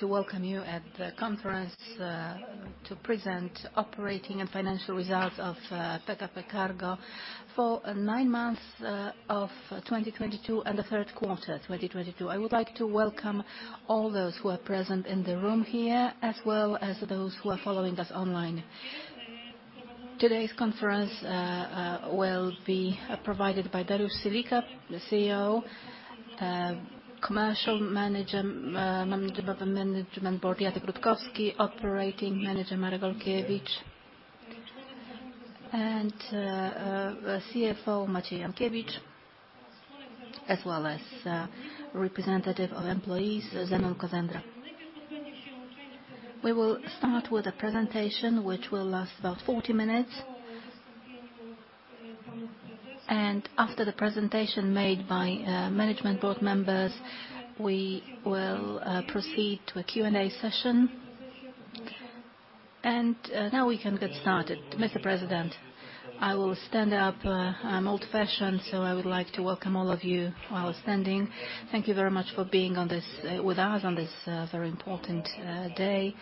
To welcome you at the conference, to present operating and financial results of PKP CARGO for nine months of 2022 and the 3rd quarter, 2022. I would like to welcome all those who are present in the room here, as well as those who are following us online. Today's conference will be provided by Dariusz Seliga, the CEO, Commercial Director, management board, Jacek Rutkowski, Operating Manager, Marek Olkiewicz, and CFO, Maciej Jankiewicz, as well as representative of employees, Zenon Kozendra. We will start with a presentation which will last about 40 minutes. After the presentation made by management board members, we will proceed to a Q&A session. Now we can get started. Mr. President, I will stand up. I'm old-fashioned, so I would like to welcome all of you while standing. Thank you very much for being with us on this very important day.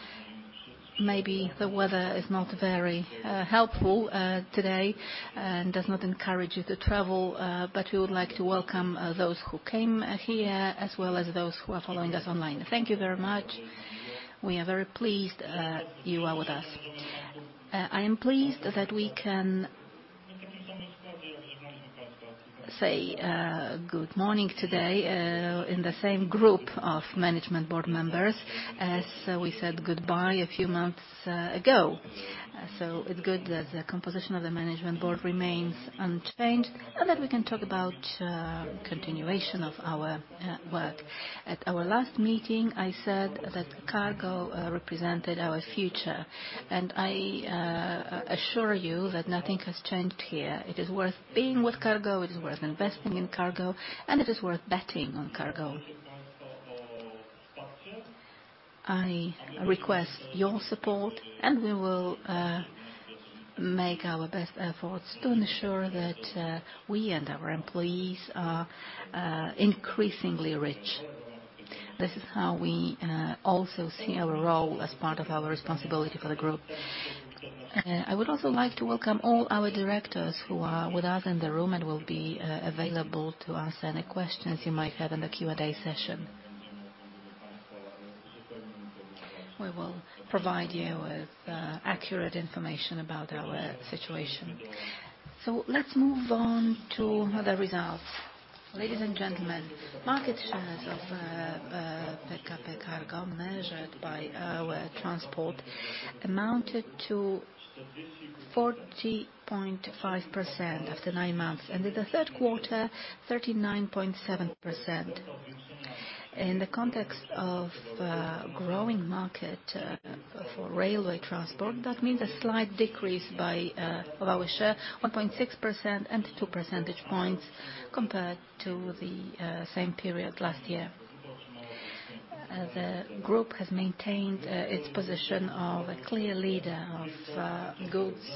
Maybe the weather is not very helpful today and does not encourage you to travel, but we would like to welcome those who came here as well as those who are following us online. Thank you very much. We are very pleased you are with us. I am pleased that we can say good morning today in the same group of management board members, as we said goodbye a few months ago. It's good that the composition of the management board remains unchanged and that we can talk about continuation of our work. At our last meeting, I said that cargo represented our future, and I assure you that nothing has changed here. It is worth being with cargo, it is worth investing in cargo, and it is worth betting on cargo. I request your support, and we will make our best efforts to ensure that we and our employees are increasingly rich. This is how we also see our role as part of our responsibility for the group. I would also like to welcome all our directors who are with us in the room and will be available to answer any questions you might have in the Q&A session. We will provide you with accurate information about our situation. Let's move on to the results. Ladies and gentlemen, market shares of PKP CARGO managed by our transport amounted to 40.5% after nine months, and in the third quarter, 39.7%. In the context of a growing market for railway transport, that means a slight decrease by of our share, 1.6% and 2 percentage points compared to the same period last year. The group has maintained its position of a clear leader of goods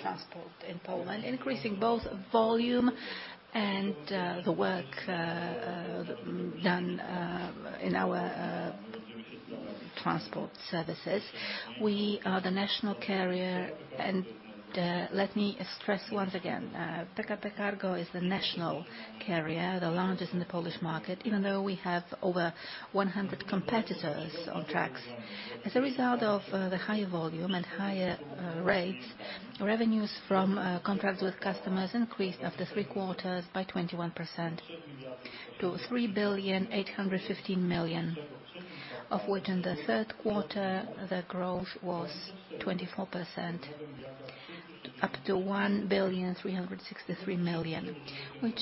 transport in Poland, increasing both volume and the work done in our transport services. We are the national carrier, let me stress once again, PKP Cargo is the national carrier, the largest in the Polish market, even though we have over 100 competitors on tracks. As a result of the higher volume and higher rates, revenues from contracts with customers increased after 3 quarters by 21% to 3.815 billion. Of which in the third quarter, the growth was 24% up to 1,363 million, which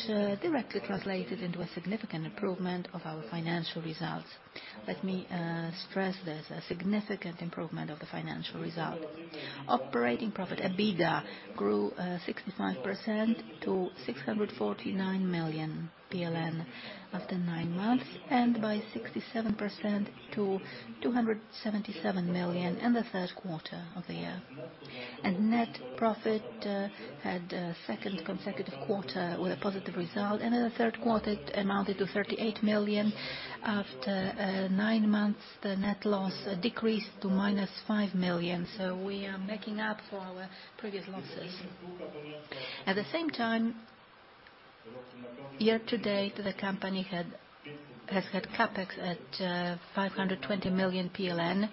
directly translated into a significant improvement of our financial results. Let me stress this, a significant improvement of the financial result. Operating profit, EBITDA, grew 65% to 649 million PLN after 9 months, and by 67% to 277 million in the third quarter of the year. Net profit had a second consecutive quarter with a positive result. In the third quarter, it amounted to 38 million. After 9 months, the net loss decreased to -5 million. We are making up for our previous losses. At the same time, year-to-date, the company has had CapEx at 520 million PLN,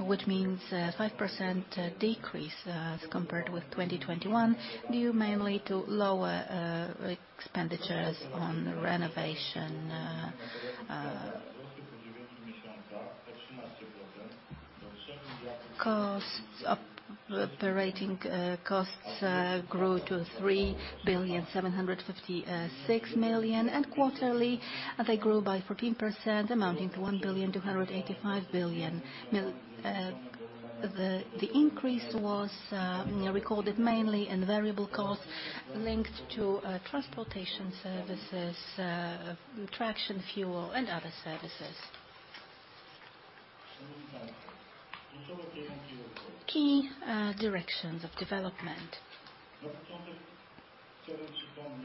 which means a 5% decrease as compared with 2021, due mainly to lower expenditures on renovation. Operating costs grew to 3,756 million, and quarterly, they grew by 14%, amounting to 1,285 billion. The increase was recorded mainly in variable costs linked to transportation services, traction fuel, and other services. Key directions of development.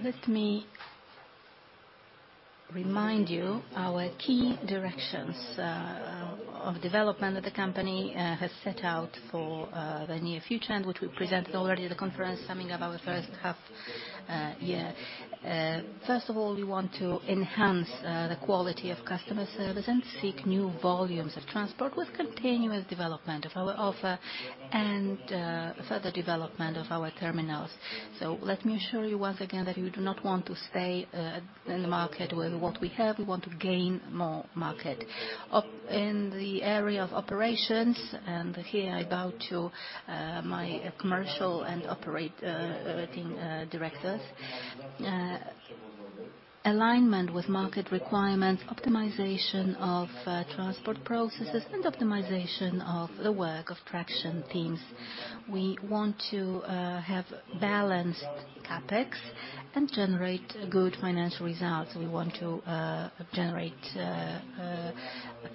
Let me remind you our key directions of development that the company has set out for the near future and which we presented already at the conference summing up our first half-year. First of all, we want to enhance the quality of customer service and seek new volumes of transport with continuous development of our offer and further development of our terminals. Let me assure you once again that we do not want to stay in the market with what we have. We want to gain more market. In the area of operations, here I bow to my Commercial and Operating Directors. Alignment with market requirements, optimization of transport processes, and optimization of the work of traction teams. We want to have balanced CapEx and generate good financial results. We want to generate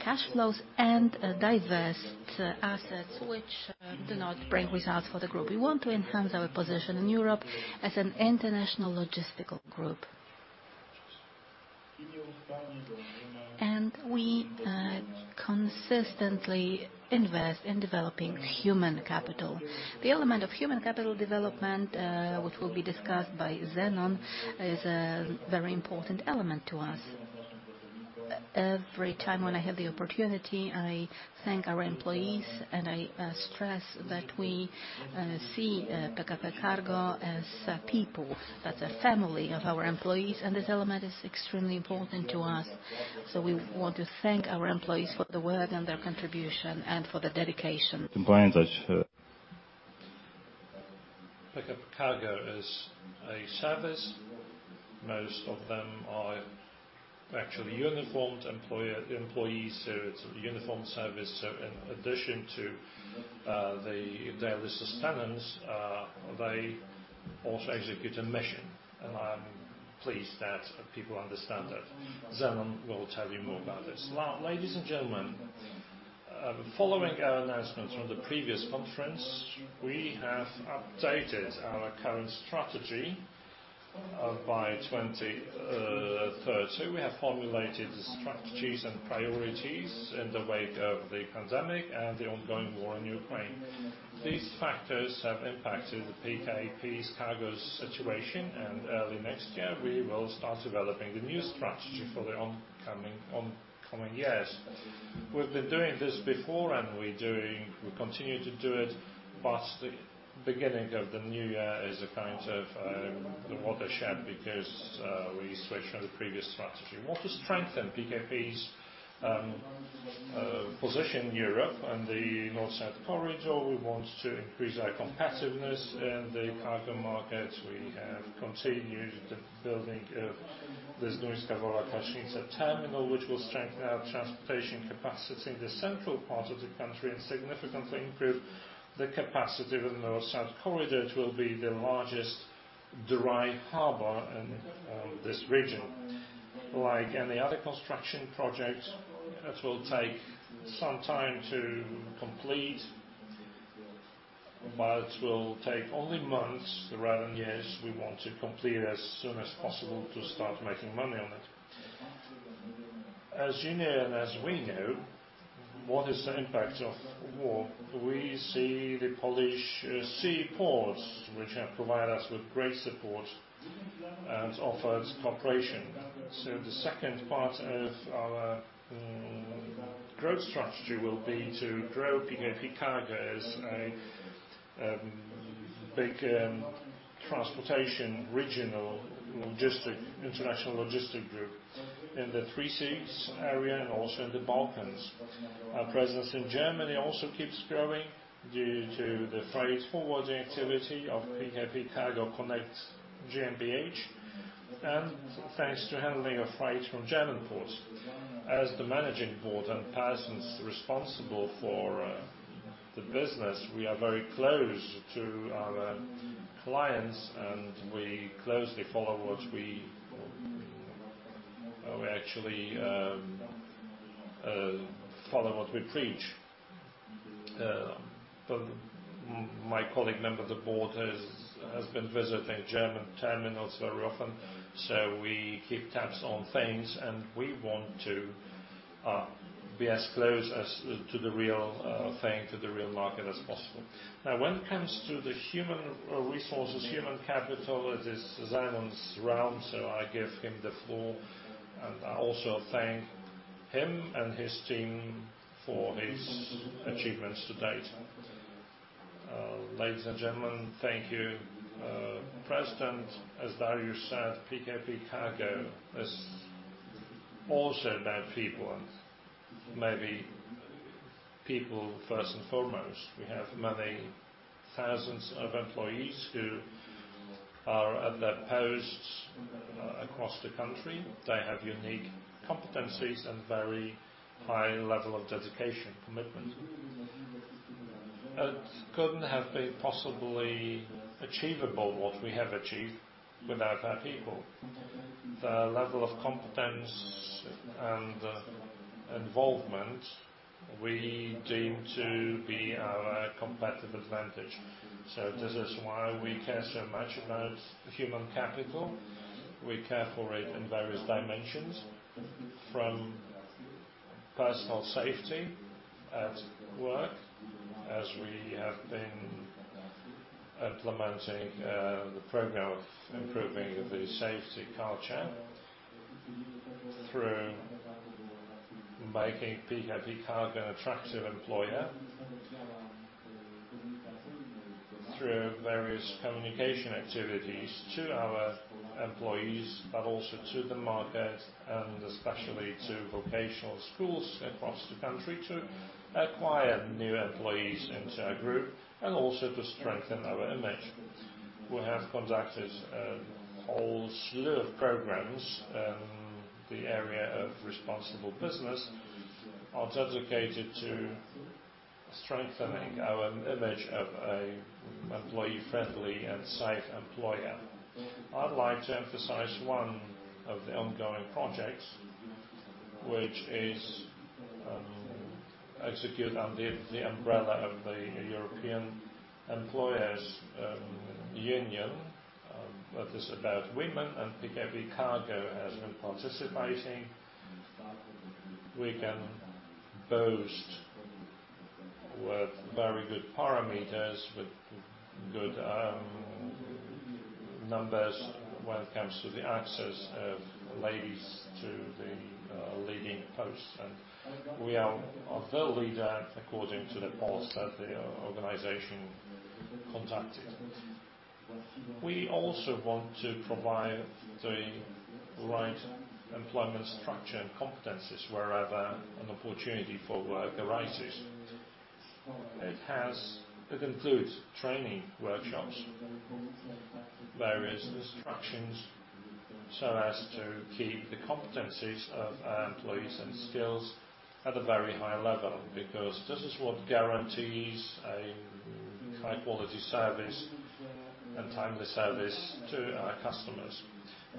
cash flows and divest assets which do not bring results for the group. We want to enhance our position in Europe as an international logistics group. We consistently invest in developing human capital. The element of human capital development, which will be discussed by Zenon, is a very important element to us. Every time when I have the opportunity, I thank our employees and I stress that we see PKP CARGO as people, as a family of our employees, and this element is extremely important to us. We want to thank our employees for their work and their contribution and for their dedication. PKP CARGO is a service. Most of them are actually uniformed employees. It's a uniform service. In addition to their resistance, they also execute a mission, and I'm pleased that people understand that. Zenon will tell you more about this. Ladies and gentlemen, following our announcements from the previous conference, we have updated our current strategy by 2030. We have formulated the strategies and priorities in the wake of the pandemic and the ongoing war in Ukraine. These factors have impacted the PKP CARGO's situation, and early next year we will start developing the new strategy for the oncoming years. We've been doing this before and we continue to do it, but the beginning of the new year is a kind of the watershed because we switched from the previous strategy. We want to strengthen PKP's position in Europe and the North Sea corridor. We want to increase our competitiveness in the cargo market. We have continued the building of the Słubice-Góra Kalwaria terminal, which will strengthen our transportation capacity in the central part of the country and significantly improve the capacity of the North South corridor. It will be the largest dry port in this region. Like any other construction project, it will take some time to complete, but it will take only months rather than years. We want to complete as soon as possible to start making money on it. As you know, and as we know, what is the impact of war? We see the Polish sea ports, which have provided us with great support and offered cooperation. The second part of our growth strategy will be to grow PKP CARGO as a big transportation regional logistic, international logistic group in the Three Seas area and also in the Balkans. Our presence in Germany also keeps growing due to the freight forwarding activity of PKP CARGO CONNECT GmbH, and thanks to handling of freight from German ports. As the Management Board and persons responsible for the business, we are very close to our clients and we closely follow what we actually follow what we preach. My colleague member of the board has been visiting German terminals very often. We keep tabs on things and we want to be as close as to the real thing, to the real market as possible. When it comes to the human resources, human capital, it is Zenon's realm, so I give him the floor, and I also thank him and his team for his achievements to date. Ladies and gentlemen, thank you. President, as Dariusz said, PKP CARGO is also about people and maybe people first and foremost. We have many thousands of employees who are at their posts across the country. They have unique competencies and very high level of dedication, commitment. It couldn't have been possibly achievable what we have achieved without our people. The level of competence and involvement we deem to be our competitive advantage. This is why we care so much about human capital. We care for it in various dimensions, from personal safety at work, as we have been implementing the program of improving the safety culture through making PKP CARGO an attractive employer through various communication activities to our employees, but also to the market and especially to vocational schools across the country to acquire new employees into our group and also to strengthen our image. We have conducted a whole slew of programs in the area of responsible business are dedicated to strengthening our image of an employee-friendly and safe employer. I'd like to emphasize one of the ongoing projects which is execute under the umbrella of the European Employers Union that is about women and PKP CARGO has been participating. We can boast with very good parameters, with good numbers when it comes to the access of ladies to the leading posts. We are the leader according to the polls that the organization contacted. We also want to provide the right employment structure and competencies wherever an opportunity for work arises. It includes training workshops, various instructions, so as to keep the competencies of our employees and skills at a very high level, because this is what guarantees a high-quality service and timely service to our customers.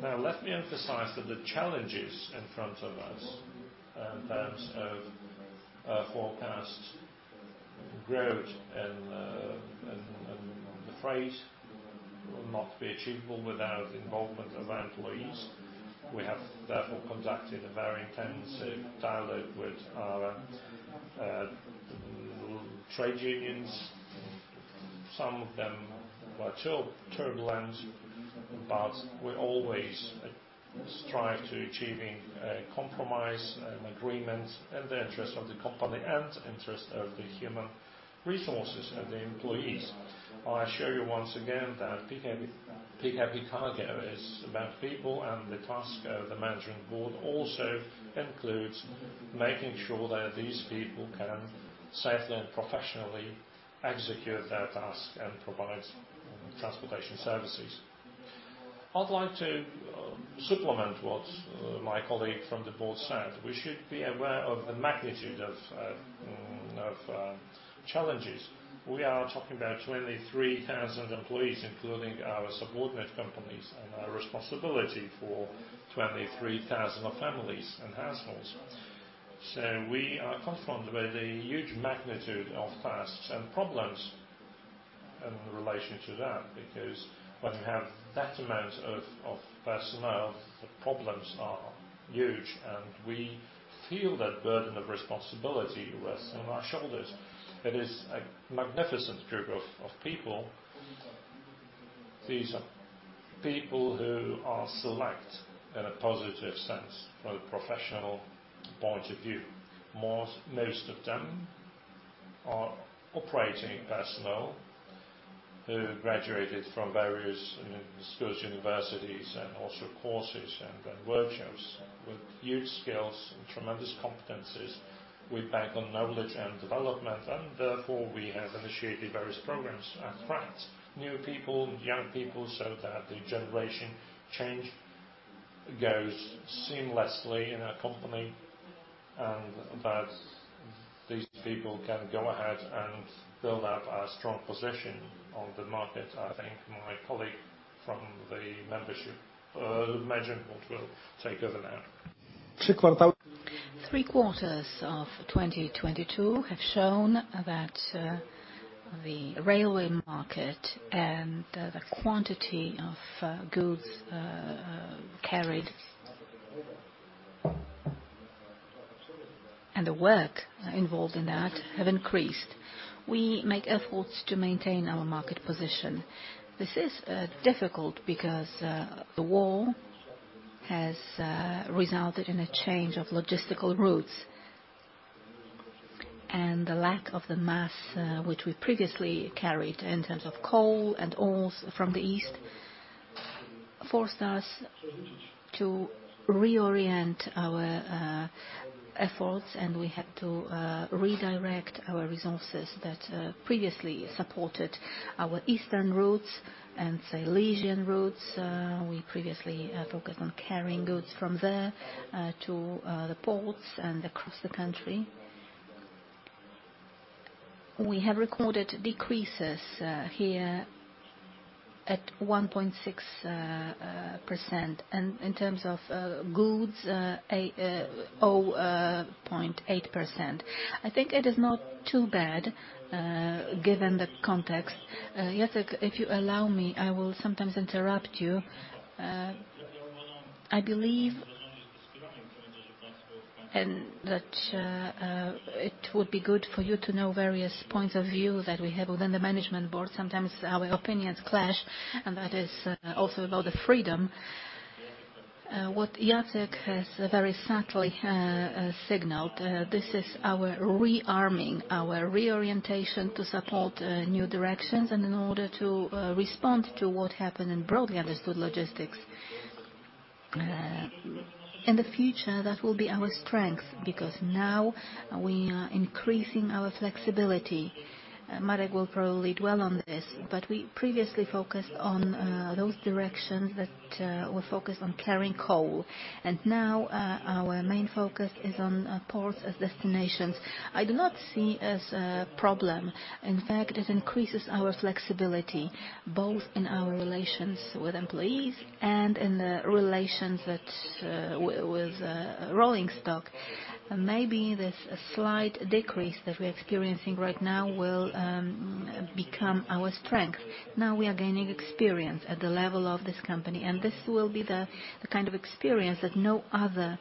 Let me emphasize that the challenges in front of us in terms of forecast growth and the freight will not be achievable without involvement of our employees. We have therefore conducted a very intensive dialogue with our trade unions. Some of them were turbulent, but we always strive to achieving a compromise and agreement in the interest of the company and interest of the human resources and the employees. I assure you once again that PKP CARGO is about people, and the task of the Management Board also includes making sure that these people can safely and professionally execute their task and provide transportation services. I'd like to supplement what my colleague from the Board said. We should be aware of the magnitude of challenges. We are talking about 23,000 employees, including our subordinate companies, and our responsibility for 23,000 families and households. We are confronted with a huge magnitude of tasks and problems in relation to that, because when you have that amount of personnel, the problems are huge, and we feel that burden of responsibility rest on our shoulders. It is a magnificent group of people. These are people who are select in a positive sense from a professional point of view. Most of them are operating personnel who graduated from various schools, universities and also courses and workshops with huge skills and tremendous competencies. Therefore, we have initiated various programs and attract new people, young people, so that the generation change goes seamlessly in our company, and that these people can go ahead and build up a strong position on the market. I think my colleague from the membership management board will take over now. Three quarters of 2022 have shown that the railway market and the quantity of goods carried and the work involved in that have increased. We make efforts to maintain our market position. This is difficult because the war has resulted in a change of logistical routes, and the lack of the mass which we previously carried in terms of coal and oils from the east forced us to reorient our efforts, and we had to redirect our resources that previously supported our eastern routes and Silesian routes. We previously focused on carrying goods from there to the ports and across the country. We have recorded decreases here at 1.6%. In terms of goods, 0.8%. I think it is not too bad, given the context. Jacek, if you allow me, I will sometimes interrupt you. I believe and that it would be good for you to know various points of view that we have within the management board. Sometimes our opinions clash, and that is also about the freedom. What Jacek has very subtly signaled, this is our rearming, our reorientation to support new directions and in order to respond to what happened in broadly understood logistics. In the future, that will be our strength because now we are increasing our flexibility. Marek will probably dwell on this, but we previously focused on those directions that were focused on carrying coal. Now, our main focus is on ports as destinations. I do not see as a problem. In fact, it increases our flexibility both in our relations with employees and in the relations that with rolling stock. Maybe this slight decrease that we're experiencing right now will become our strength. Now we are gaining experience at the level of this company, and this will be the kind of experience that no other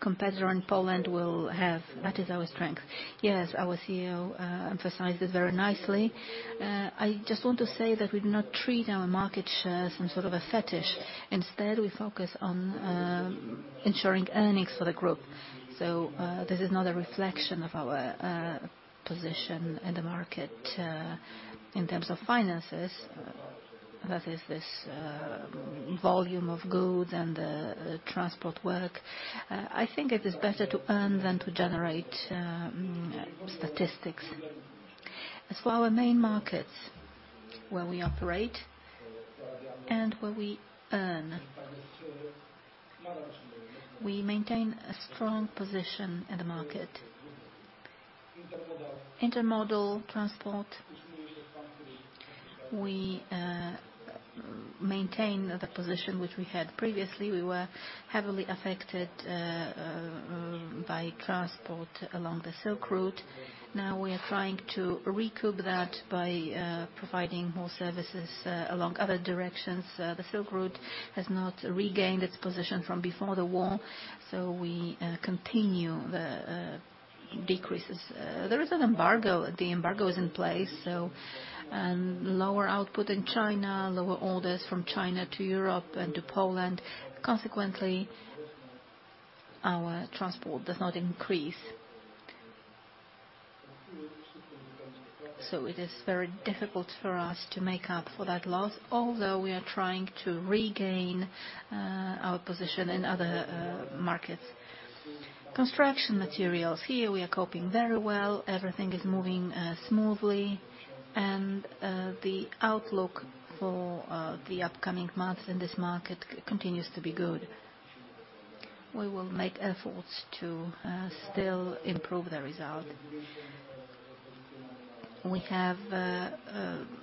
competitor in Poland will have. That is our strength. Yes, our CEO emphasized it very nicely. I just want to say that we do not treat our market share some sort of a fetish. Instead, we focus on ensuring earnings for the group. This is not a reflection of our position in the market in terms of finances. That is this volume of goods and the transport work. I think it is better to earn than to generate statistics. As for our main markets where we operate and where we earn, we maintain a strong position in the market. Intermodal transport, we maintain the position which we had previously. We were heavily affected by transport along the Silk Route. We are trying to recoup that by providing more services along other directions. The Silk Route has not regained its position from before the war, we continue the decreases. There is an embargo. The embargo is in place, lower output in China, lower orders from China to Europe and to Poland. Consequently, our transport does not increase. It is very difficult for us to make up for that loss, although we are trying to regain our position in other markets. Construction materials, here we are coping very well. Everything is moving smoothly. The outlook for the upcoming months in this market continues to be good. We will make efforts to still improve the result. We have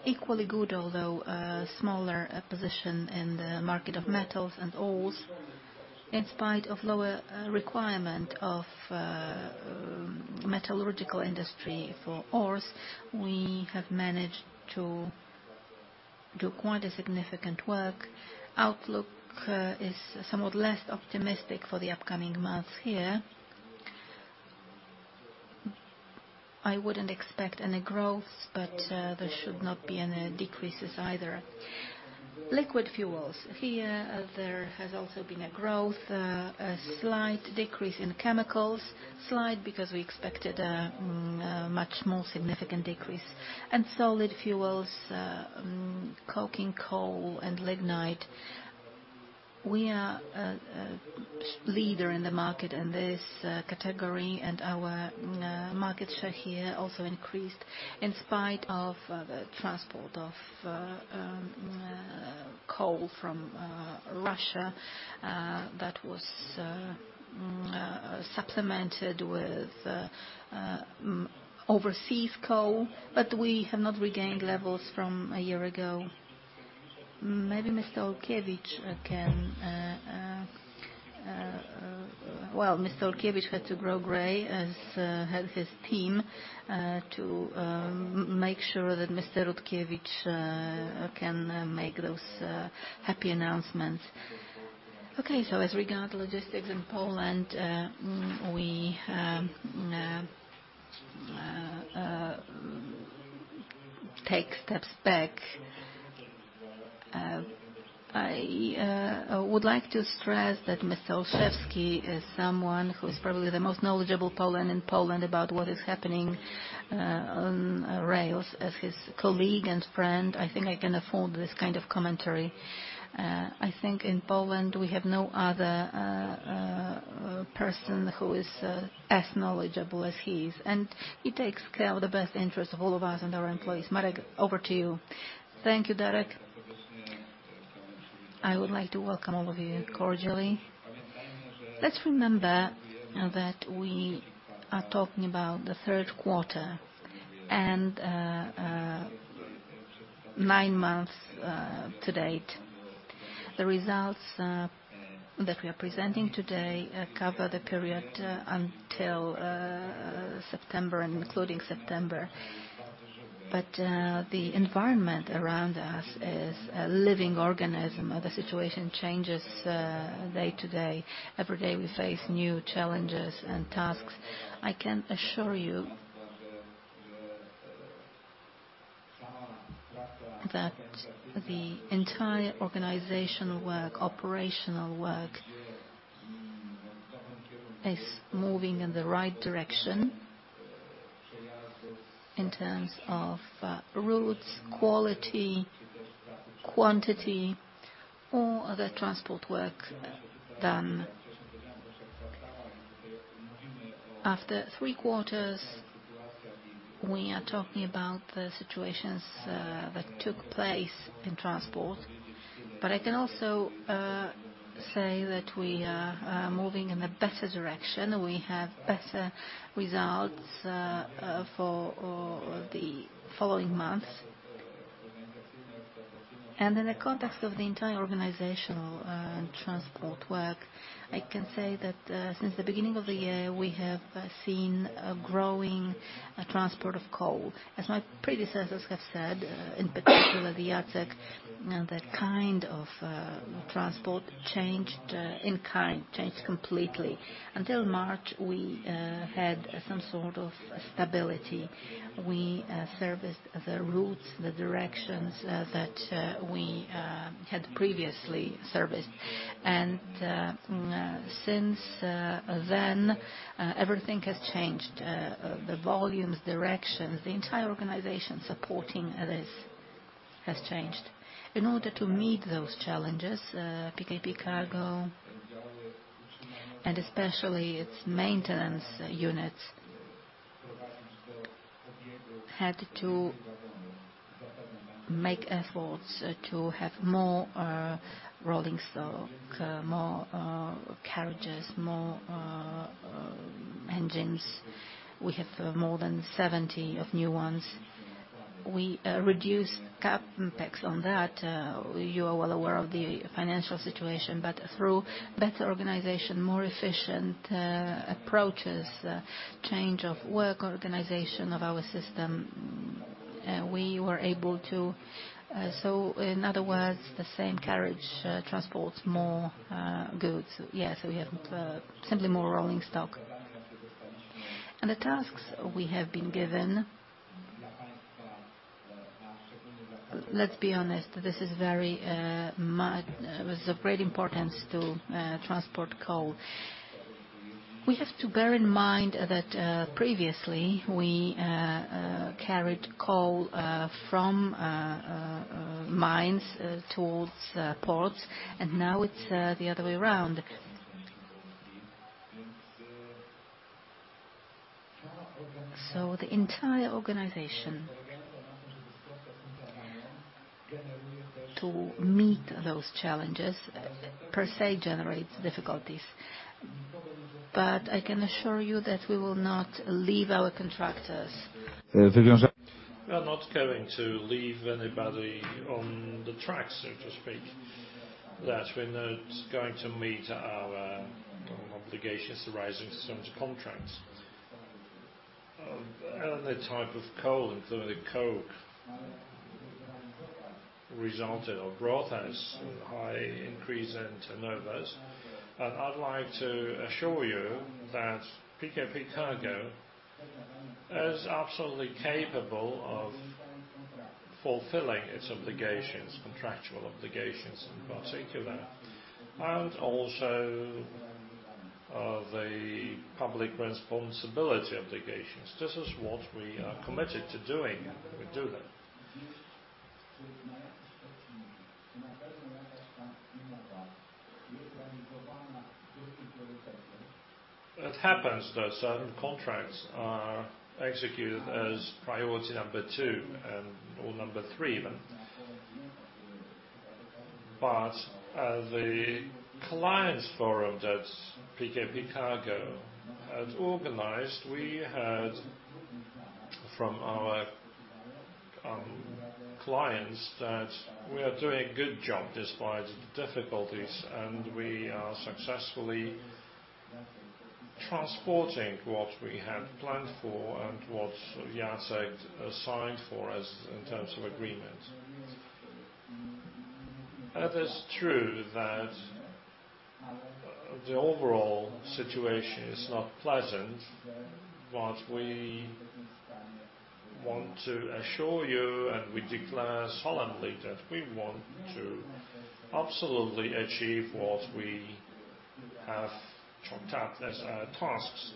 equally good, although smaller position in the market of metals and ores. In spite of lower requirement of metallurgical industry for ores, we have managed to do quite a significant work. Outlook is somewhat less optimistic for the upcoming months here. I wouldn't expect any growth, but there should not be any decreases either. Liquid fuels, here, there has also been a growth, a slight decrease in chemicals. Slight because we expected a much more significant decrease. Solid fuels, coking coal and lignite. We are a leader in the market in this category, and our market share here also increased in spite of the transport of coal from Russia that was supplemented with overseas coal, but we have not regained levels from a year ago. Maybe Mr. Olkiewicz can. Mr. Olkiewicz had to grow gray as help his team to make sure that Mr. Rutkiewicz can make those happy announcements. As regard logistics in Poland, we take steps back. I would like to stress that Mr. Olszewski is someone who is probably the most knowledgeable Poland in Poland about what is happening on rails. As his colleague and friend, I think I can afford this kind of commentary. I think in Poland, we have no other person who is as knowledgeable as he is. He takes care of the best interest of all of us and our employees. Marek, over to you. Thank you, Darek. I would like to welcome all of you cordially. Let's remember now that we are talking about the third quarter and 9 months to date. The results that we are presenting today cover the period until September and including September. The environment around us is a living organism. The situation changes day to day. Every day, we face new challenges and tasks. I can assure you that the entire organizational work, operational work is moving in the right direction in terms of routes, quality, quantity, all other transport work done. After three quarters, we are talking about the situations that took place in transport. I can also say that we are moving in a better direction. We have better results for all of the following months. In the context of the entire organizational and transport work, I can say that since the beginning of the year, we have seen a growing transport of coal. As my predecessors have said, in particular, Jacek, now that kind of transport changed in kind, changed completely. Until March, we had some sort of stability. We serviced the routes, the directions that we had previously serviced. Since then, everything has changed. The volumes, directions, the entire organization supporting this has changed. In order to meet those challenges, PKP Cargo, and especially its maintenance units, had to make efforts to have more rolling stock, more carriages, more engines. We have more than 70 of new ones. We reduced CapEx on that. You are well aware of the financial situation, through better organization, more efficient approaches, change of work organization of our system, we were able to. In other words, the same carriage transports more goods. Yes, we have simply more rolling stock. The tasks we have been given, let's be honest, this is very. It was of great importance to transport coal. We have to bear in mind that previously we carried coal from mines towards ports, and now it's the other way around. The entire organization to meet those challenges per se generates difficulties. I can assure you that we will not leave our contractors. We are not going to leave anybody on the track, so to speak, that we're not going to meet our obligations arising from certain contracts. The type of coal, including coke, resulted or brought us high increase in turnovers. I'd like to assure you that PKP CARGO is absolutely capable of fulfilling its obligations, contractual obligations in particular, and also of a public responsibility obligations. This is what we are committed to doing. We do that. It happens that certain contracts are executed as priority number two and, or number three even. At The Clients Forum that PKP CARGO had organized, we heard from our clients that we are doing a good job despite the difficulties, and we are successfully transporting what we had planned for and what Jacek signed for us in terms of agreement. That is true that the overall situation is not pleasant. We want to assure you, and we declare solemnly that we want to absolutely achieve what we have chalked out as our tasks.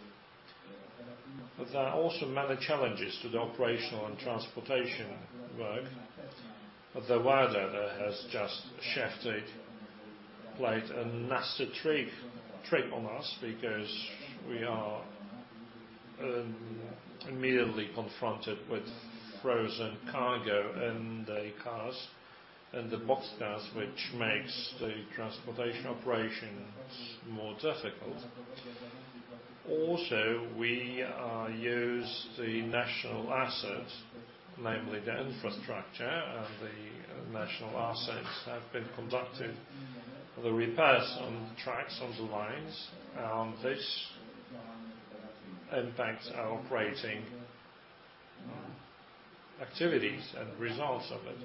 There are also many challenges to the operational and transportation work. The weather has just shifted, played a nasty trick on us because we are immediately confronted with frozen cargo in the cars, in the boxcars, which makes the transportation operations more difficult. Also, we use the national assets, namely the infrastructure. The national assets have been conducting the repairs on the tracks, on the lines. This impacts our operating activities and results of it.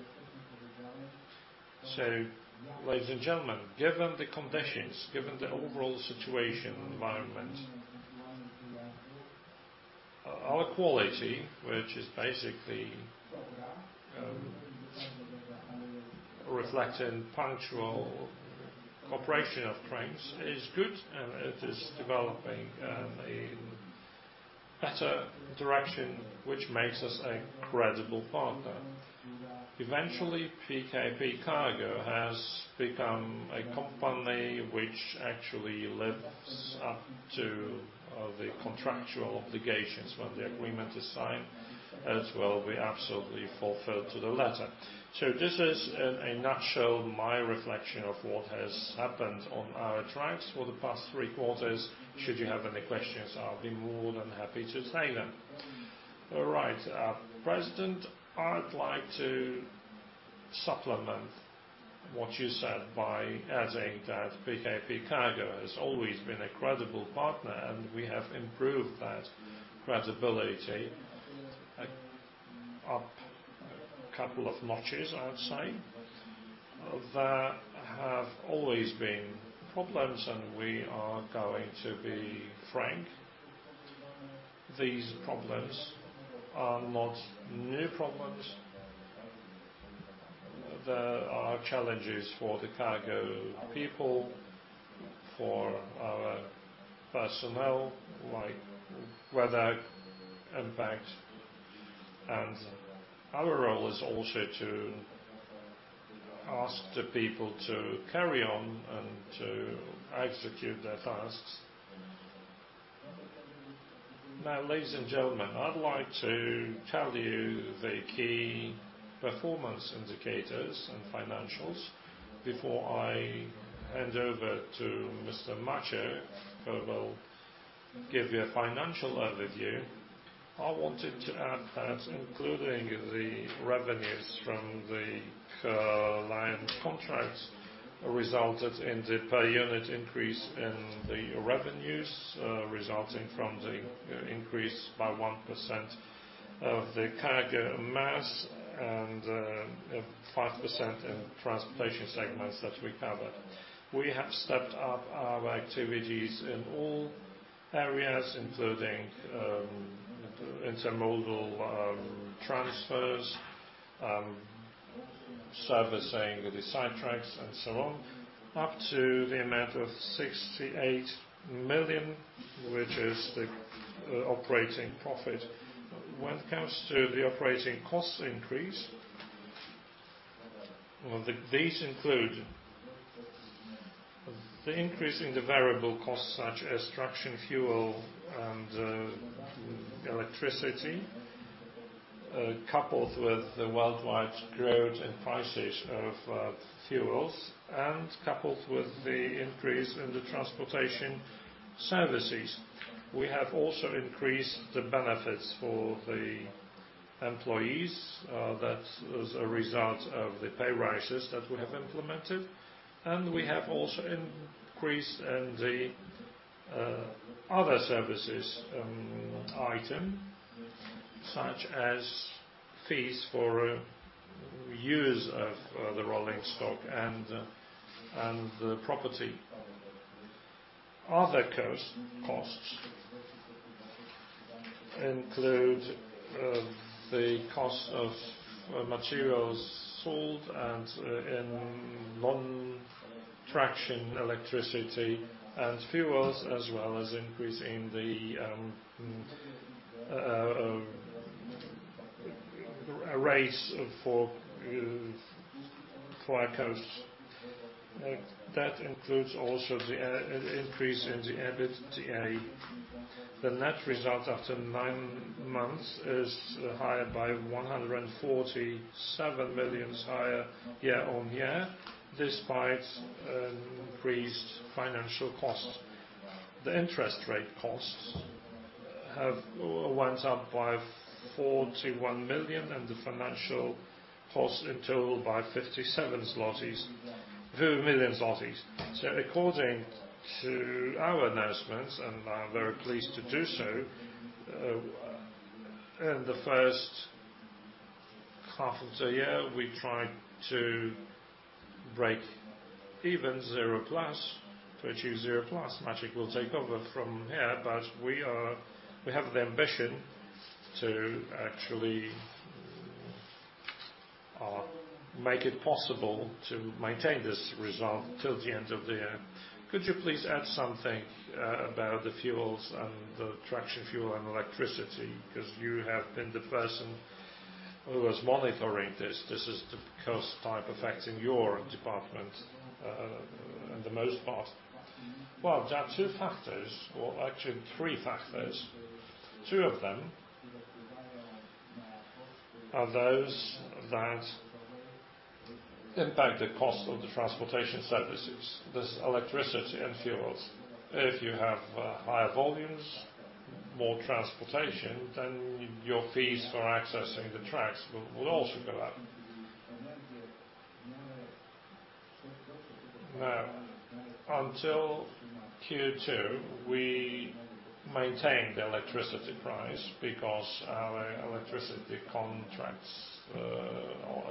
Ladies and gentlemen, given the conditions, given the overall situation and environment, our quality, which is basically reflecting punctual operation of trains, is good, and it is developing in a better direction, which makes us a credible partner. Eventually, PKP Cargo has become a company which actually lives up to the contractual obligations. When the agreement is signed, as well, we absolutely fulfill to the letter. This is in a nutshell my reflection of what has happened on our tracks for the past three quarters. Should you have any questions, I'll be more than happy to take them. All right. President, I'd like to supplement what you said by adding that PKP Cargo has always been a credible partner, and we have improved that credibility up a couple of notches, I would say. There have always been problems, and we are going to be frank. These problems are not new problems. There are challenges for the cargo people, for our personnel, like weather impact. Our role is also to ask the people to carry on and to execute their tasks. Now, ladies and gentlemen, I'd like to tell you the key performance indicators and financials before I hand over to Mr. Maciej, who will give you a financial overview. I wanted to add that including the revenues from the line contracts resulted in the per unit increase in the revenues, resulting from the increase by 1% of the cargo mass and 5% in transportation segments that we covered. We have stepped up our activities in all areas, including intermodal transfers, servicing the side tracks, and so on, up to the amount of 68 million, which is the operating profit. When it comes to the operating cost increase, well, these include the increase in the variable costs, such as traction fuel and electricity, coupled with the worldwide growth in prices of fuels and coupled with the increase in the transportation services. We have also increased the benefits for the employees. That was a result of the pay rises that we have implemented. We have also increased in the other services item, such as fees for users of the rolling stock and the property. Other costs include the cost of materials sold and in non-traction electricity and fuels, as well as increasing the rates for our costs. That includes also the increase in the EBITDA. The net result after nine months is higher by 147 million higher year-on-year, despite increased financial costs. The interest rate costs have went up by 41 million and the financial costs in total by 57 million zlotys. According to our announcements, and I'm very pleased to do so, in the first half of the year, we tried to break even zero plus, virtually zero plus. Maciej will take over from here, but we have the ambition to actually make it possible to maintain this result till the end of the year. Could you please add something about the fuels and the traction fuel and electricity? Because you have been the person who was monitoring this. This is the cost type affecting your department in the most part. There are two factors or actually three factors. Two of them are those that impact the cost of the transportation services. There's electricity and fuels. If you have higher volumes, more transportation, then your fees for accessing the tracks will also go up. Until Q2, we maintained the electricity price because our electricity contracts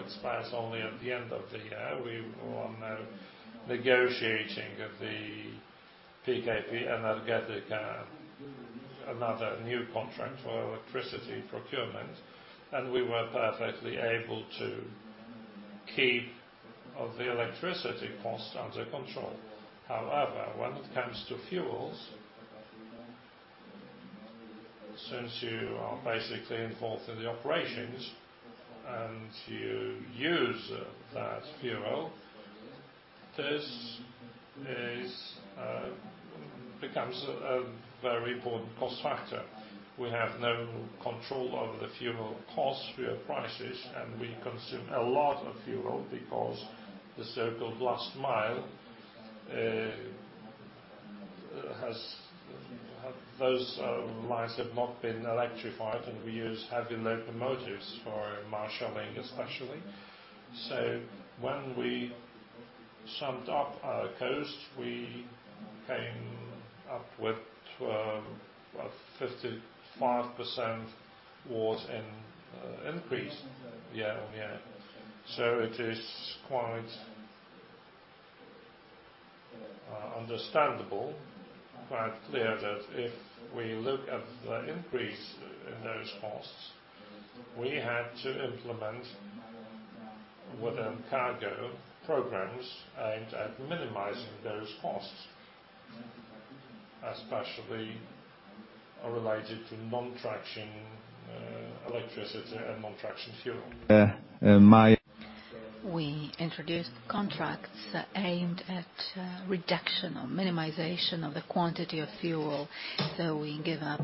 expires only at the end of the year. We were now negotiating with PKP Energetyka another new contract for electricity procurement, and we were perfectly able to keep all the electricity costs under control. However, when it comes to fuels, since you are basically involved in the operations and you use that fuel, this becomes a very important cost factor. We have no control over the fuel costs, fuel prices, and we consume a lot of fuel because the so-called last mile. Those miles have not been electrified, and we use heavy locomotives for marshaling especially. When we summed up our costs, we came up with what, 55% was in increase year-on-year. It is quite understandable, quite clear that if we look at the increase in those costs, we had to implement within cargo programs aimed at minimizing those costs, especially related to non-traction electricity and non-traction fuel. We introduced contracts aimed at reduction or minimization of the quantity of fuel. We give up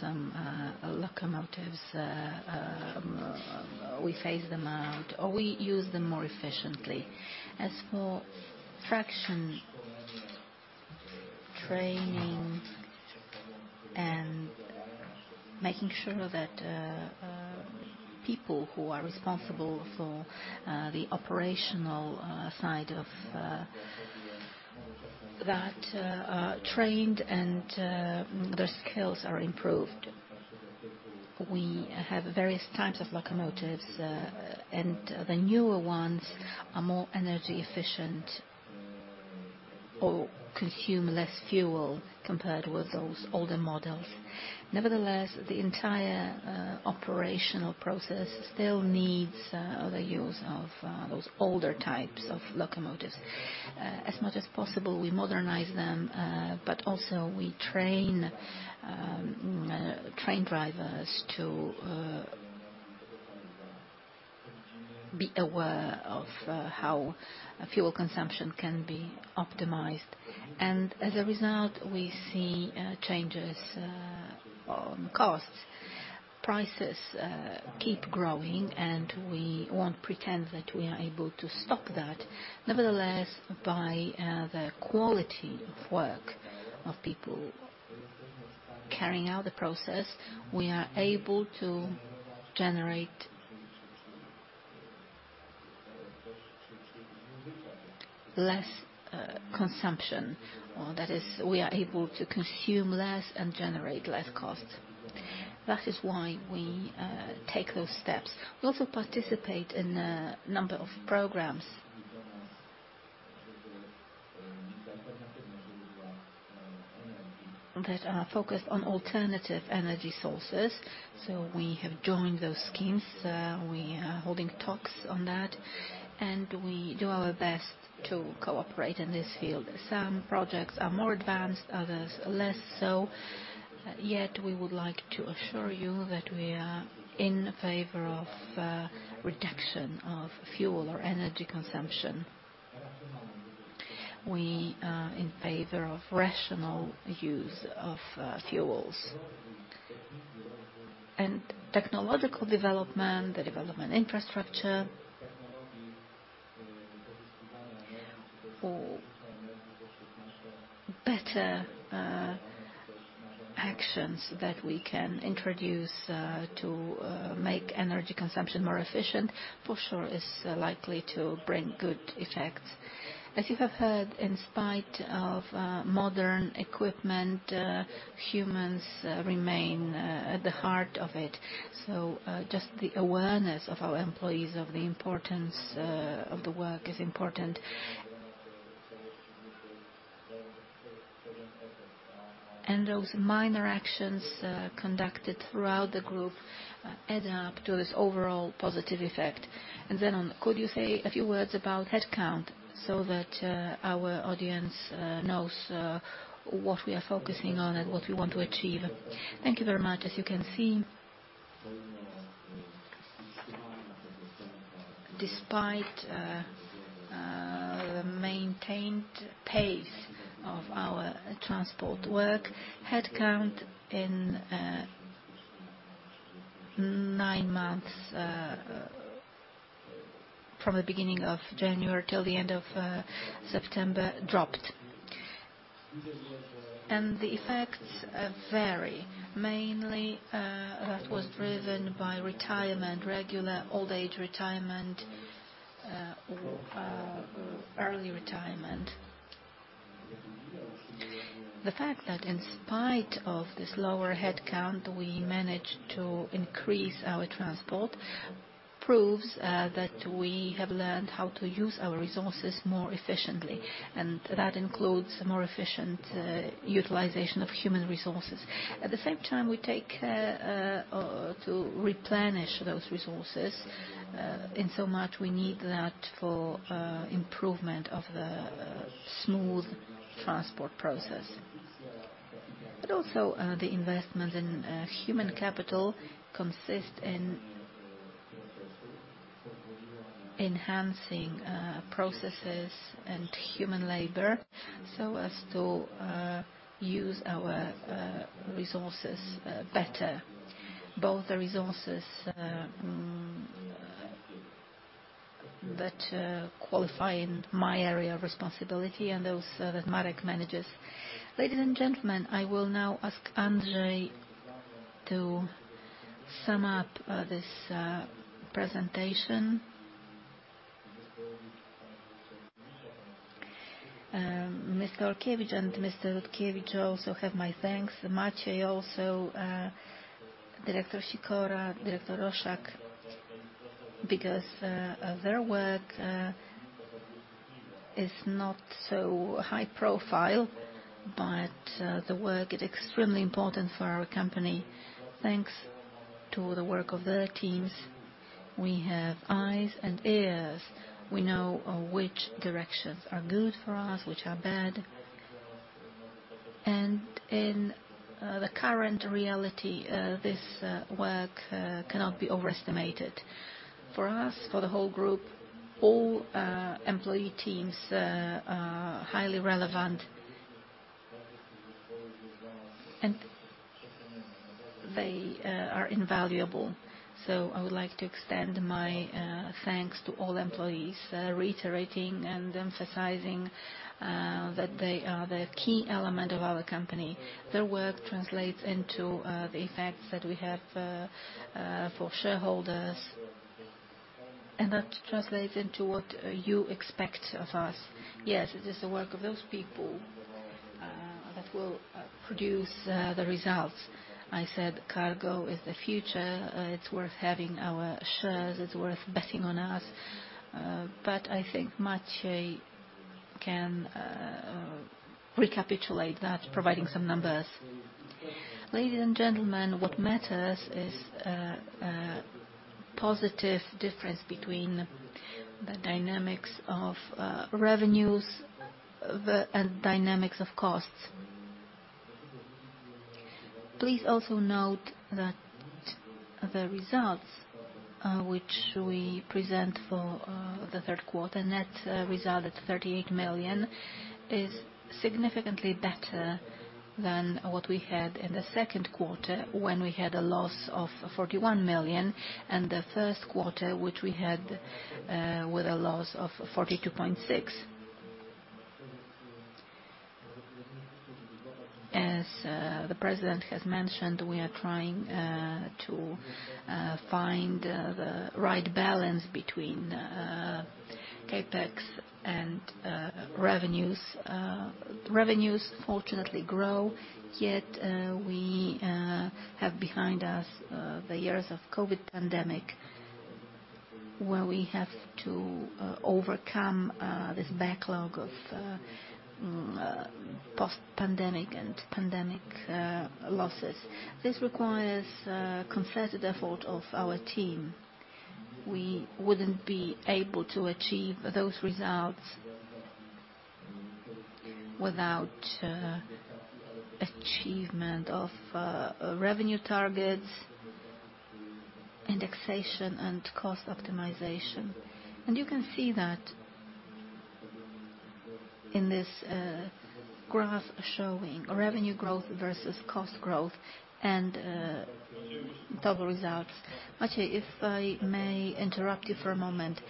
some locomotives, we phase them out, or we use them more efficiently. As for traction training and making sure that people who are responsible for the operational side of that are trained and their skills are improved. We have various types of locomotives, and the newer ones are more energy efficient or consume less fuel compared with those older models. Nevertheless, the entire operational process still needs the use of those older types of locomotives. As much as possible, we modernize them, but also we train train drivers to be aware of how fuel consumption can be optimized. As a result, we see changes on costs. Prices keep growing, we won't pretend that we are able to stop that. Nevertheless, by the quality of work of people carrying out the process, we are able to generate less consumption. That is, we are able to consume less and generate less cost. That is why we take those steps. We also participate in a number of programs that are focused on alternative energy sources. We have joined those schemes, we are holding talks on that, we do our best to cooperate in this field. Some projects are more advanced, others less so. We would like to assure you that we are in favor of reduction of fuel or energy consumption. We are in favor of rational use of fuels. Technological development, the development infrastructure for better actions that we can introduce to make energy consumption more efficient, for sure, is likely to bring good effects. As you have heard, in spite of modern equipment, humans remain at the heart of it. Just the awareness of our employees of the importance of the work is important. Those minor actions conducted throughout the group add up to this overall positive effect. Zenon, could you say a few words about headcount so that our audience knows what we are focusing on and what we want to achieve? Thank you very much. As you can see, despite the maintained pace of our transport work, headcount in 9 months from the beginning of January till the end of September dropped. The effects, vary. Mainly, that was driven by retirement, regular old-age retirement, or, early retirement. The fact that in spite of this lower headcount, we managed to increase our transport proves, that we have learned how to use our resources more efficiently, and that includes more efficient, utilization of human resources. At the same time, we take care, to replenish those resources, insomuch we need that for, improvement of the, smooth transport process. Also, the investment in, human capital consists in enhancing, processes and human labor so as to use our, resources, better. Both the resources, that, qualify in my area of responsibility and those that Marek manages. Ladies and gentlemen, I will now ask Andrzej to sum up, this, presentation. Mr. Olkiewicz and Mr. Rutkowski also have my thanks. Maciej also, Director Sikora, Director Roszak, because their work is not so high profile, but the work is extremely important for our company. Thanks to the work of their teams, we have eyes and ears. We know which directions are good for us, which are bad. In the current reality, this work cannot be overestimated. For us, for the whole group, all employee teams are highly relevant. They are invaluable. I would like to extend my thanks to all employees, reiterating and emphasizing that they are the key element of our company. Their work translates into the effects that we have for shareholders, and that translates into what you expect of us. Yes, it is the work of those people that will produce the results. I said cargo is the future, it's worth having our shares, it's worth betting on us. I think Maciej can recapitulate that providing some numbers. Ladies and gentlemen, what matters is positive difference between the dynamics of revenues and dynamics of costs. Please also note that the results which we present for the third quarter, net result at 38 million, is significantly better than what we had in the second quarter when we had a loss of 41 million and the first quarter, which we had with a loss of 42.6 million. As the President has mentioned, we are trying to find the right balance between CapEx and revenues. Revenues fortunately grow, yet, we have behind us the years of COVID pandemic, where we have to overcome this backlog of post-pandemic and pandemic losses. This requires concerted effort of our team. We wouldn't be able to achieve those results without achievement of revenue targets, indexation and cost optimization. You can see that in this graph showing revenue growth versus cost growth and total results. Maciej, if I may interrupt you for a moment.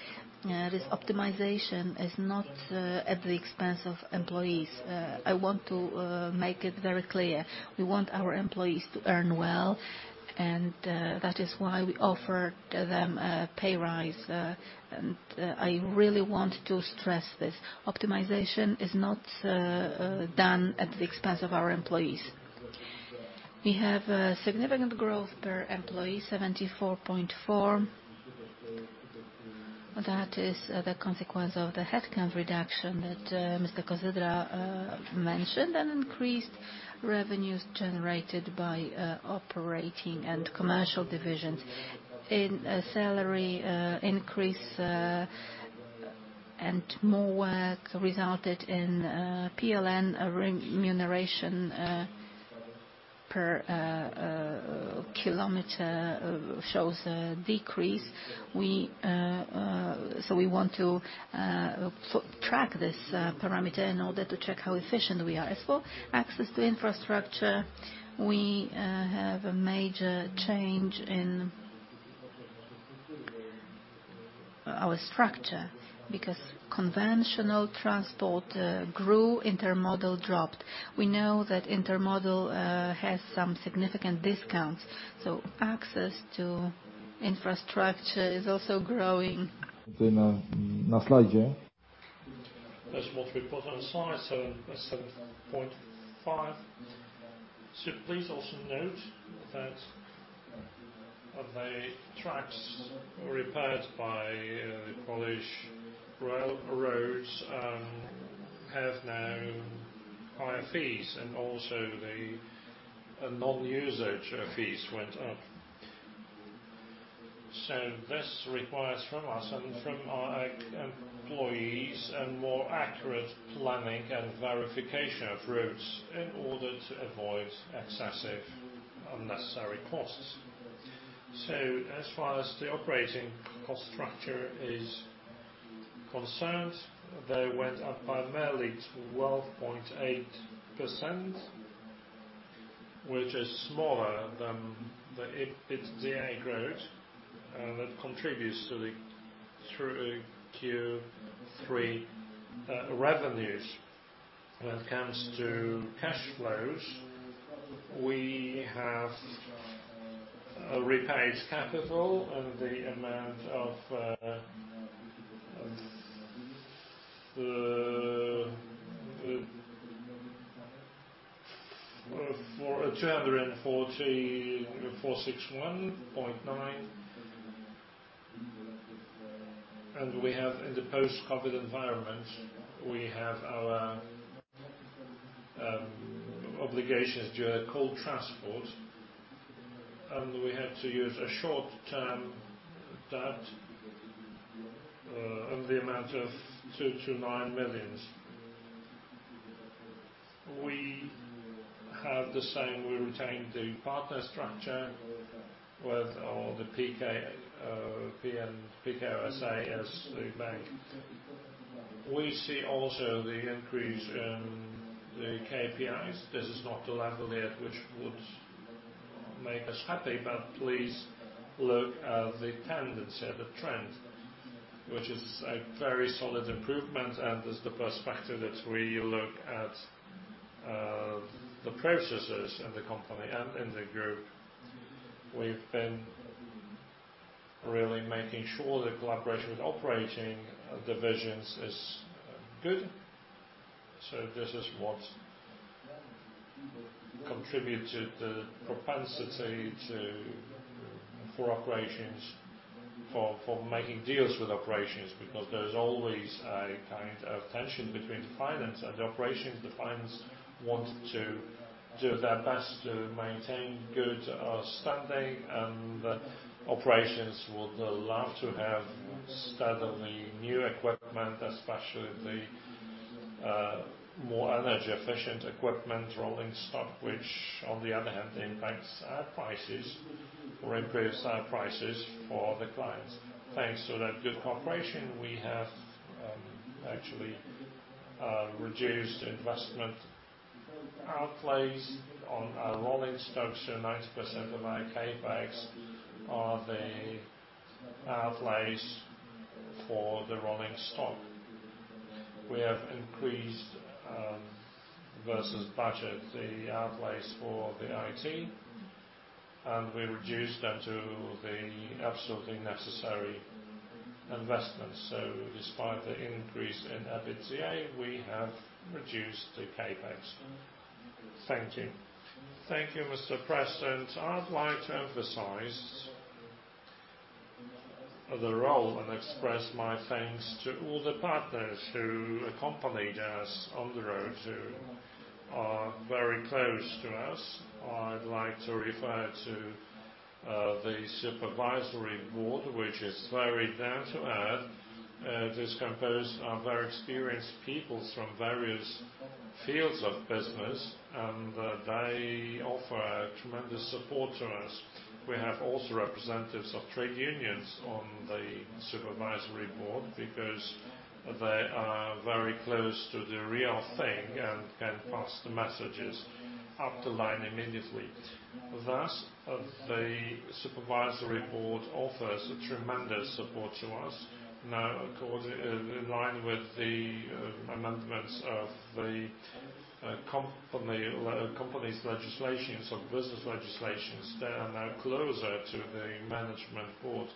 This optimization is not at the expense of employees. I want to make it very clear, we want our employees to earn well, and that is why we offer them a pay rise. I really want to stress this. Optimization is not done at the expense of our employees. We have a significant growth per employee, 74.4%. That is the consequence of the headcount reduction that Mr. Kozendra mentioned, and increased revenues generated by operating and commercial divisions. In a salary increase and more work resulted in PLN remuneration increase. Per kilometer shows a decrease. We want to sort track this parameter in order to check how efficient we are. As for access to infrastructure, we have a major change in our structure because conventional transport grew, intermodal dropped. We know that intermodal has some significant discounts, access to infrastructure is also growing. That's what we put on the slide, so that's 7.5. Please also note that of the tracks repaired by the Polish railroads, have now higher fees and also the non-usage fees went up. This requires from us and from our employees a more accurate planning and verification of routes in order to avoid excessive unnecessary costs. As far as the operating cost structure is concerned, they went up by merely 12.8%, which is smaller than the EBITDA growth that contributes to the through Q3 revenues. When it comes to cash flows, we have repaid capital in the amount of PLN 244,601.9. We have in the post-COVID environment, we have our obligations during coal transport, and we had to use a short-term debt of the amount of 2 million-9 million. We have the same. We retained the partner structure with all the PN, PKP S.A. as the bank. We see also the increase in the KPIs. This is not the level yet which would make us happy, but please look at the tendency of the trend, which is a very solid improvement and is the perspective that we look at the processes in the company and in the group. We've been really making sure the collaboration with operating divisions is good. This is what contribute to the propensity for operations for making deals with operations, because there's always a kind of tension between the finance and the operations. The finance want to do their best to maintain good standing, and the operations would love to have steadily new equipment, especially the more energy efficient equipment rolling stock, which on the other hand impacts our prices or increases our prices for the clients. Thanks to that good cooperation, we have actually reduced investment outlays on our rolling stock. 90% of our CapEx are the outlays for the rolling stock. We have increased versus budget, the outlays for the IT, and we reduced that to the absolutely necessary investments. Despite the increase in EBITDA, we have reduced the CapEx. Thank you. Thank you, Mr. President. I'd like to emphasize the role and express my thanks to all the partners who accompanied us on the road, who are very close to us. I'd like to refer to the Supervisory Board, which is very down to earth. It is composed of very experienced people from various fields of business, and they offer a tremendous support to us. We have also representatives of trade unions on the Supervisory Board because they are very close to the real thing and can pass the messages up the line immediately. Thus, the Supervisory Board offers a tremendous support to us. Now, in line with the amendments of the company's legislations or business legislations, they are now closer to the Management Board.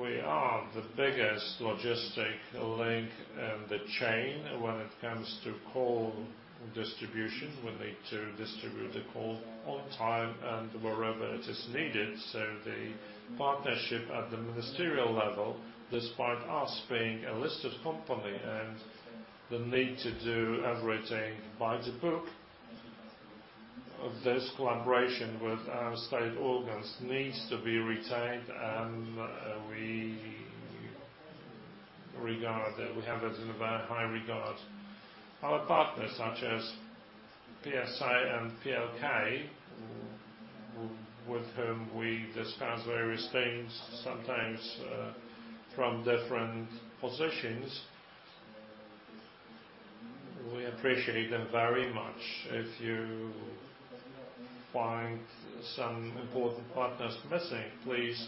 We are the biggest logistic link in the chain when it comes to coal distribution. We need to distribute the coal on time and wherever it is needed. The partnership at the ministerial level, despite us being a listed company and the need to do everything by the book of this collaboration with our state organs needs to be retained. We have it in very high regard. Our partners such as PSA and PLK with whom we discuss various things sometimes from different positions, we appreciate them very much. If you find some important partners missing, please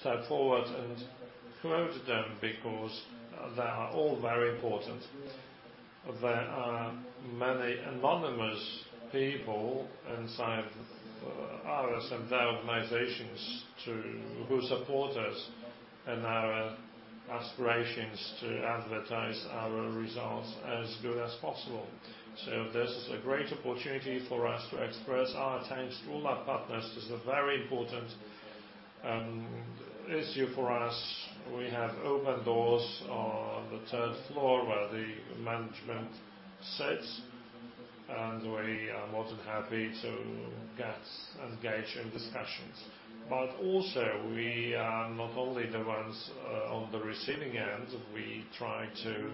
step forward and quote them because they are all very important. There are many anonymous people inside ours and their organizations who support us in our aspirations to advertise our results as good as possible. This is a great opportunity for us to express our thanks to all our partners. This is a very important issue for us. We have open doors on the third floor where the management sits. We are more than happy to get engaged in discussions. Also, we are not only the ones on the receiving end, we try to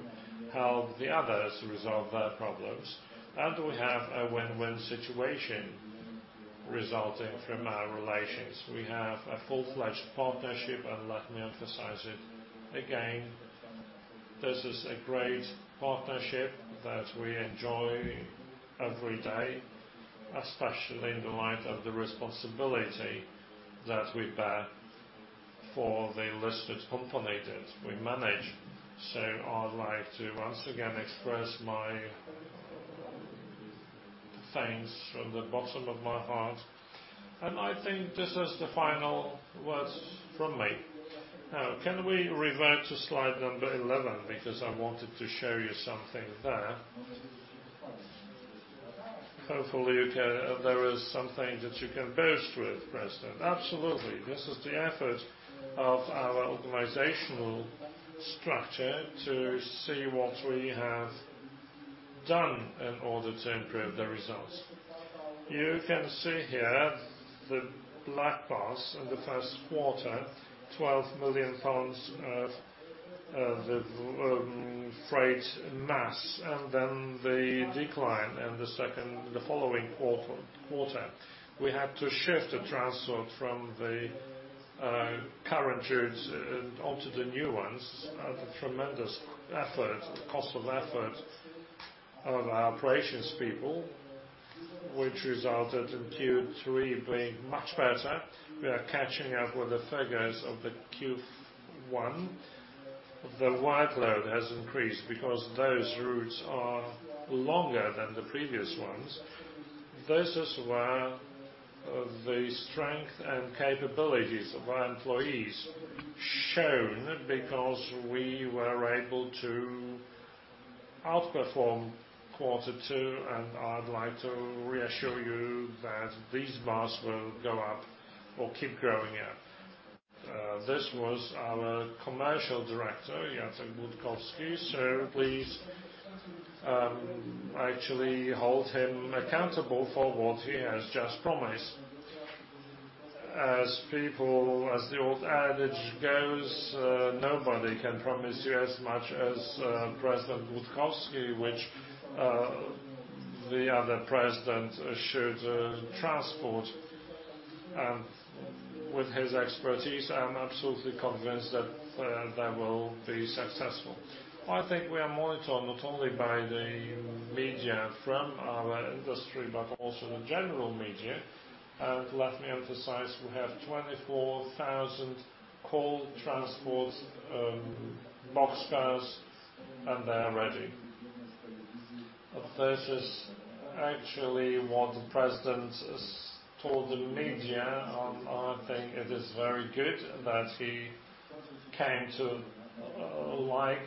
help the others resolve their problems. We have a win-win situation resulting from our relations. We have a full-fledged partnership. Let me emphasize it again. This is a great partnership that we enjoy every day, especially in the light of the responsibility that we bear for the listed companies we manage. I'd like to once again express my thanks from the bottom of my heart. I think this is the final words from me. Can we revert to slide number 11 because I wanted to show you something there. There is something that you can boast with, President. Absolutely. This is the effort of our organizational structure to see what we have done in order to improve the results. You can see here the black bars in the first quarter, 12 million tons of freight mass, and then the decline in the second, the following quarter. We had to shift the transport from the current routes onto the new ones at a tremendous effort, cost of effort of our operations people, which resulted in Q3 being much better. We are catching up with the figures of the Q1. The wide load has increased because those routes are longer than the previous ones. This is where the strength and capabilities of our employees shone because we were able to outperform quarter two, and I'd like to reassure you that these bars will go up or keep growing up. This was our Commercial Director Jacek Rutkowski. Please actually hold him accountable for what he has just promised. As people, as the old adage goes, nobody can promise you as much as President Gutkowski, which the other president should transport. With his expertise, I'm absolutely convinced that that will be successful. I think we are monitored not only by the media from our industry, but also the general media. Let me emphasize, we have 24,000 coal transport boxcars, and they're ready. This is actually what the president has told the media. I think it is very good that he came to like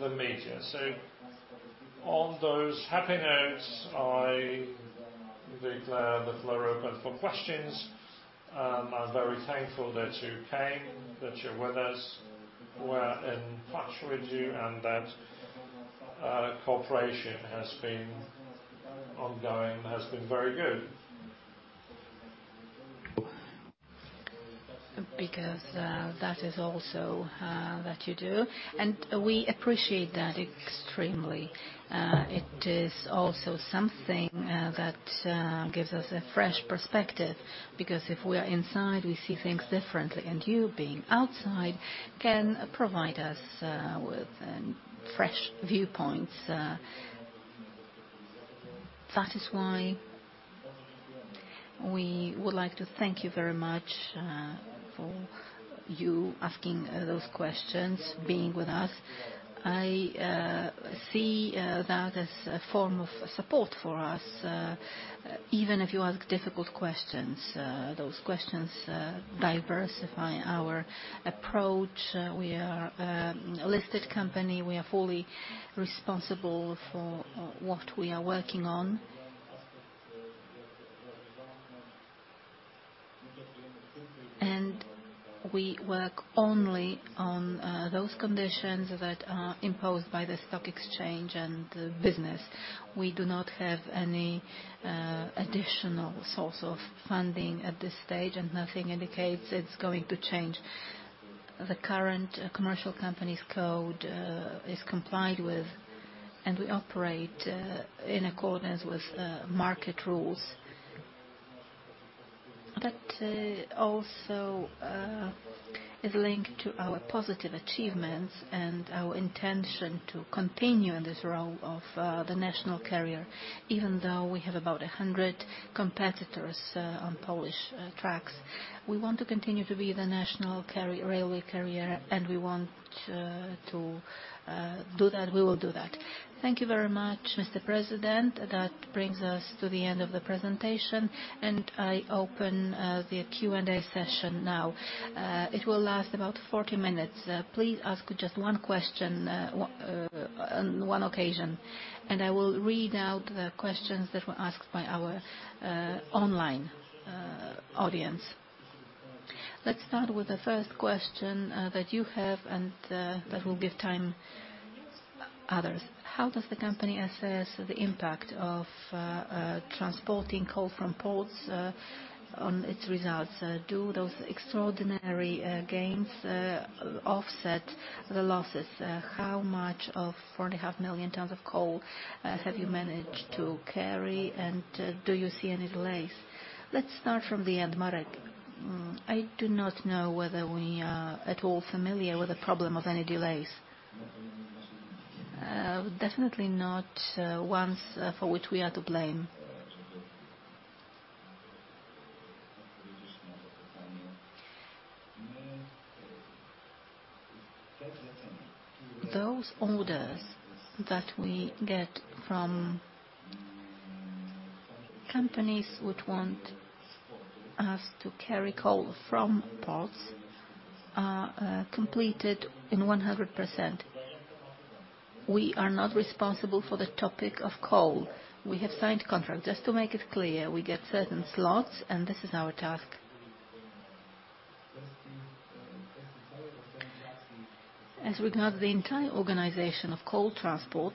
the media. On those happy notes, I declare the floor open for questions. I'm very thankful that you came, that you're with us. We're in touch with you, and that cooperation has been ongoing, has been very good. That is also that you do, and we appreciate that extremely. It is also something that gives us a fresh perspective because if we are inside, we see things differently. You being outside can provide us with fresh viewpoints. That is why we would like to thank you very much for you asking those questions, being with us. I see that as a form of support for us, even if you ask difficult questions. Those questions diversify our approach. We are a listed company. We are fully responsible for what we are working on. We work only on those conditions that are imposed by the stock exchange and the business. We do not have any additional source of funding at this stage, and nothing indicates it's going to change. The current Commercial Companies Code is complied with, and we operate in accordance with market rules. That also is linked to our positive achievements and our intention to continue in this role of the national carrier even though we have about 100 competitors on Polish tracks. We want to continue to be the national railway carrier and we want to do that. We will do that. Thank you very much, Mr. President. That brings us to the end of the presentation, and I open the Q&A session now. It will last about 40 minutes. Please ask just one question on one occasion, and I will read out the questions that were asked by our online audience. Let's start with the first question that you have and that will give time others. How does the company assess the impact of transporting coal from ports on its results? Do those extraordinary gains offset the losses? How much of 4.5 million tons of coal have you managed to carry, and do you see any delays? Let's start from the end, Marek. I do not know whether we are at all familiar with the problem of any delays. Definitely not ones for which we are to blame. Those orders that we get from companies which want us to carry coal from ports are completed in 100%. We are not responsible for the topic of coal. We have signed contracts. Just to make it clear, we get certain slots and this is our task. As regard the entire organization of coal transport,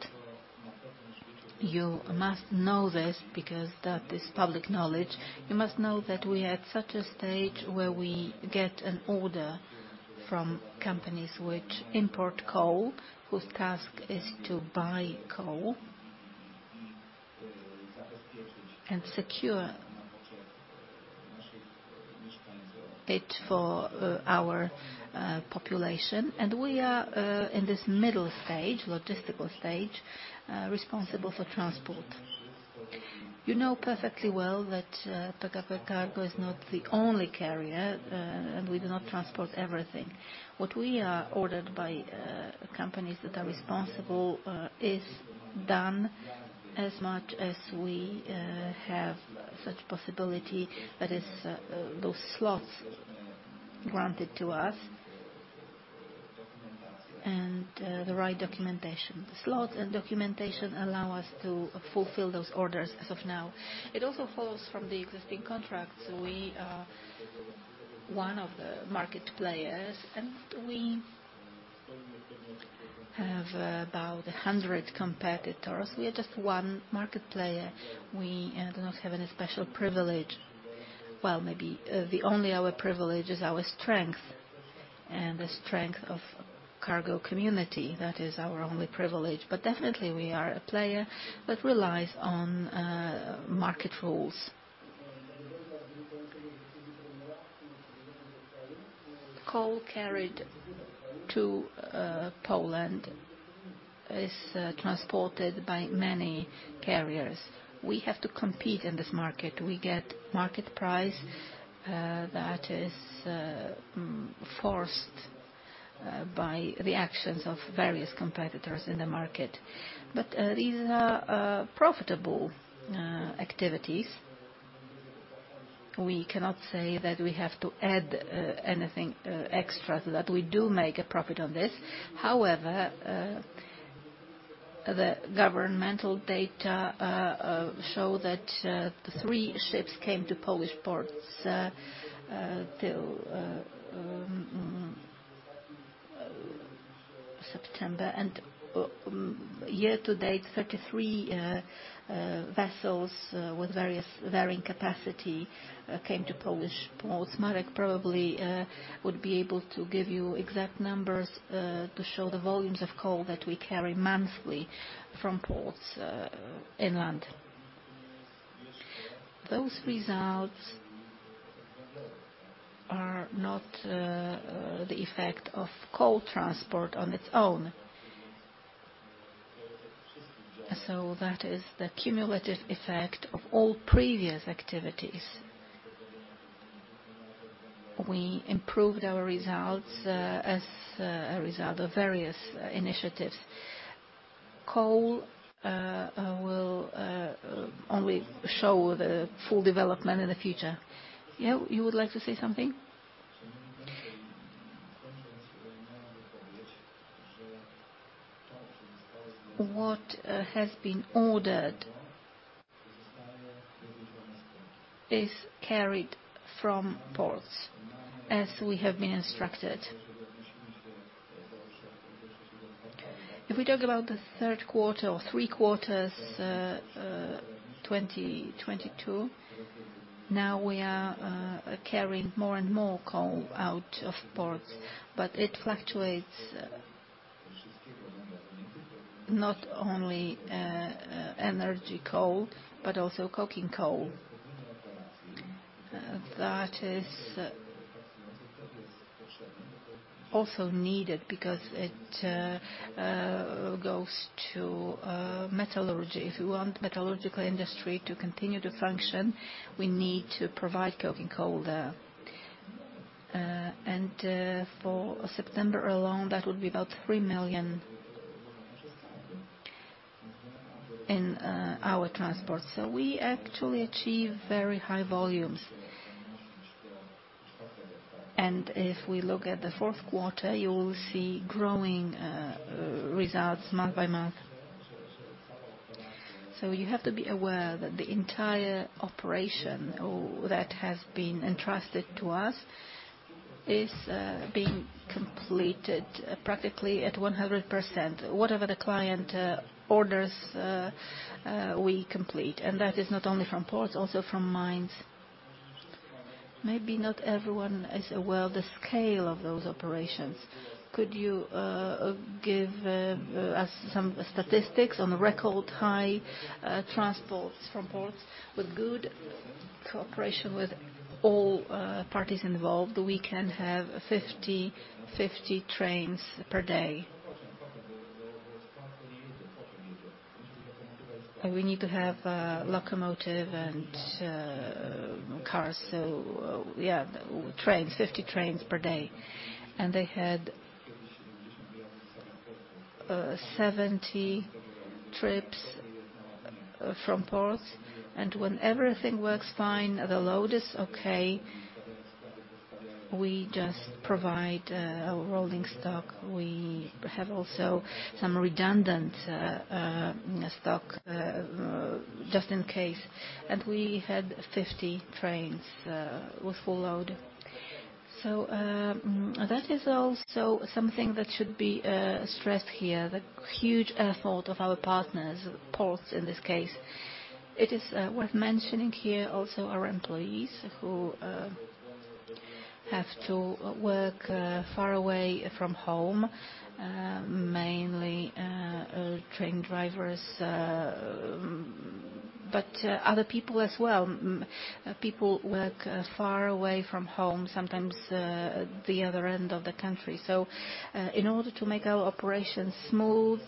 you must know this because that is public knowledge. You must know that we are at such a stage where we get an order from companies which import coal, whose task is to buy coal and secure it for our population. We are in this middle stage, logistical stage, responsible for transport. You know perfectly well that PKP CARGO is not the only carrier. We do not transport everything. What we are ordered by companies that are responsible is done as much as we have such possibility, that is, those slots granted to us and the right documentation. The slots and documentation allow us to fulfill those orders as of now. It also follows from the existing contracts. We are one of the market players, and we have about 100 competitors. We are just one market player. We do not have any special privilege. Well, maybe the only our privilege is our strength and the strength of cargo community. That is our only privilege. Definitely we are a player that relies on market rules. Coal carried to Poland is transported by many carriers. We have to compete in this market. We get market price that is forced by the actions of various competitors in the market. These are profitable activities. We cannot say that we have to add anything extra to that. We do make a profit on this. However, the governmental data show that three ships came to Polish ports till September. Year to date, 33 vessels with various varying capacity came to Polish ports. Marek probably would be able to give you exact numbers to show the volumes of coal that we carry monthly from ports inland. Those results are not the effect of coal transport on its own. That is the cumulative effect of all previous activities. We improved our results as a result of various initiatives. Coal will only show the full development in the future. You would like to say something? What has been ordered is carried from ports as we have been instructed. If we talk about the third quarter or three quarters, 2022, now we are carrying more and more coal out of ports, but it fluctuates. Not only energy coal, but also coking coal. That is also needed because it goes to metallurgy. If you want metallurgical industry to continue to function, we need to provide coking coal there. For September alone, that would be about 3 million in our transport. We actually achieve very high volumes. If we look at the fourth quarter, you will see growing results month by month. You have to be aware that the entire operation or that has been entrusted to us is being completed practically at 100%. Whatever the client orders, we complete. That is not only from ports, also from mines. Maybe not everyone is aware of the scale of those operations. Could you give us some statistics on the record high transports from ports? With good cooperation with all parties involved, we can have 50 trains per day. We need to have locomotive and cars. Yeah, trains, 50 trains per day. They had 70 trips from ports. When everything works fine, the load is okay. We just provide our rolling stock. We have also some redundant stock just in case. We had 50 trains with full load. That is also something that should be stressed here, the huge effort of our partners, ports in this case It is worth mentioning here also our employees who have to work far away from home, mainly train drivers, but other people as well. People work far away from home, sometimes, the other end of the country. In order to make our operations smooth,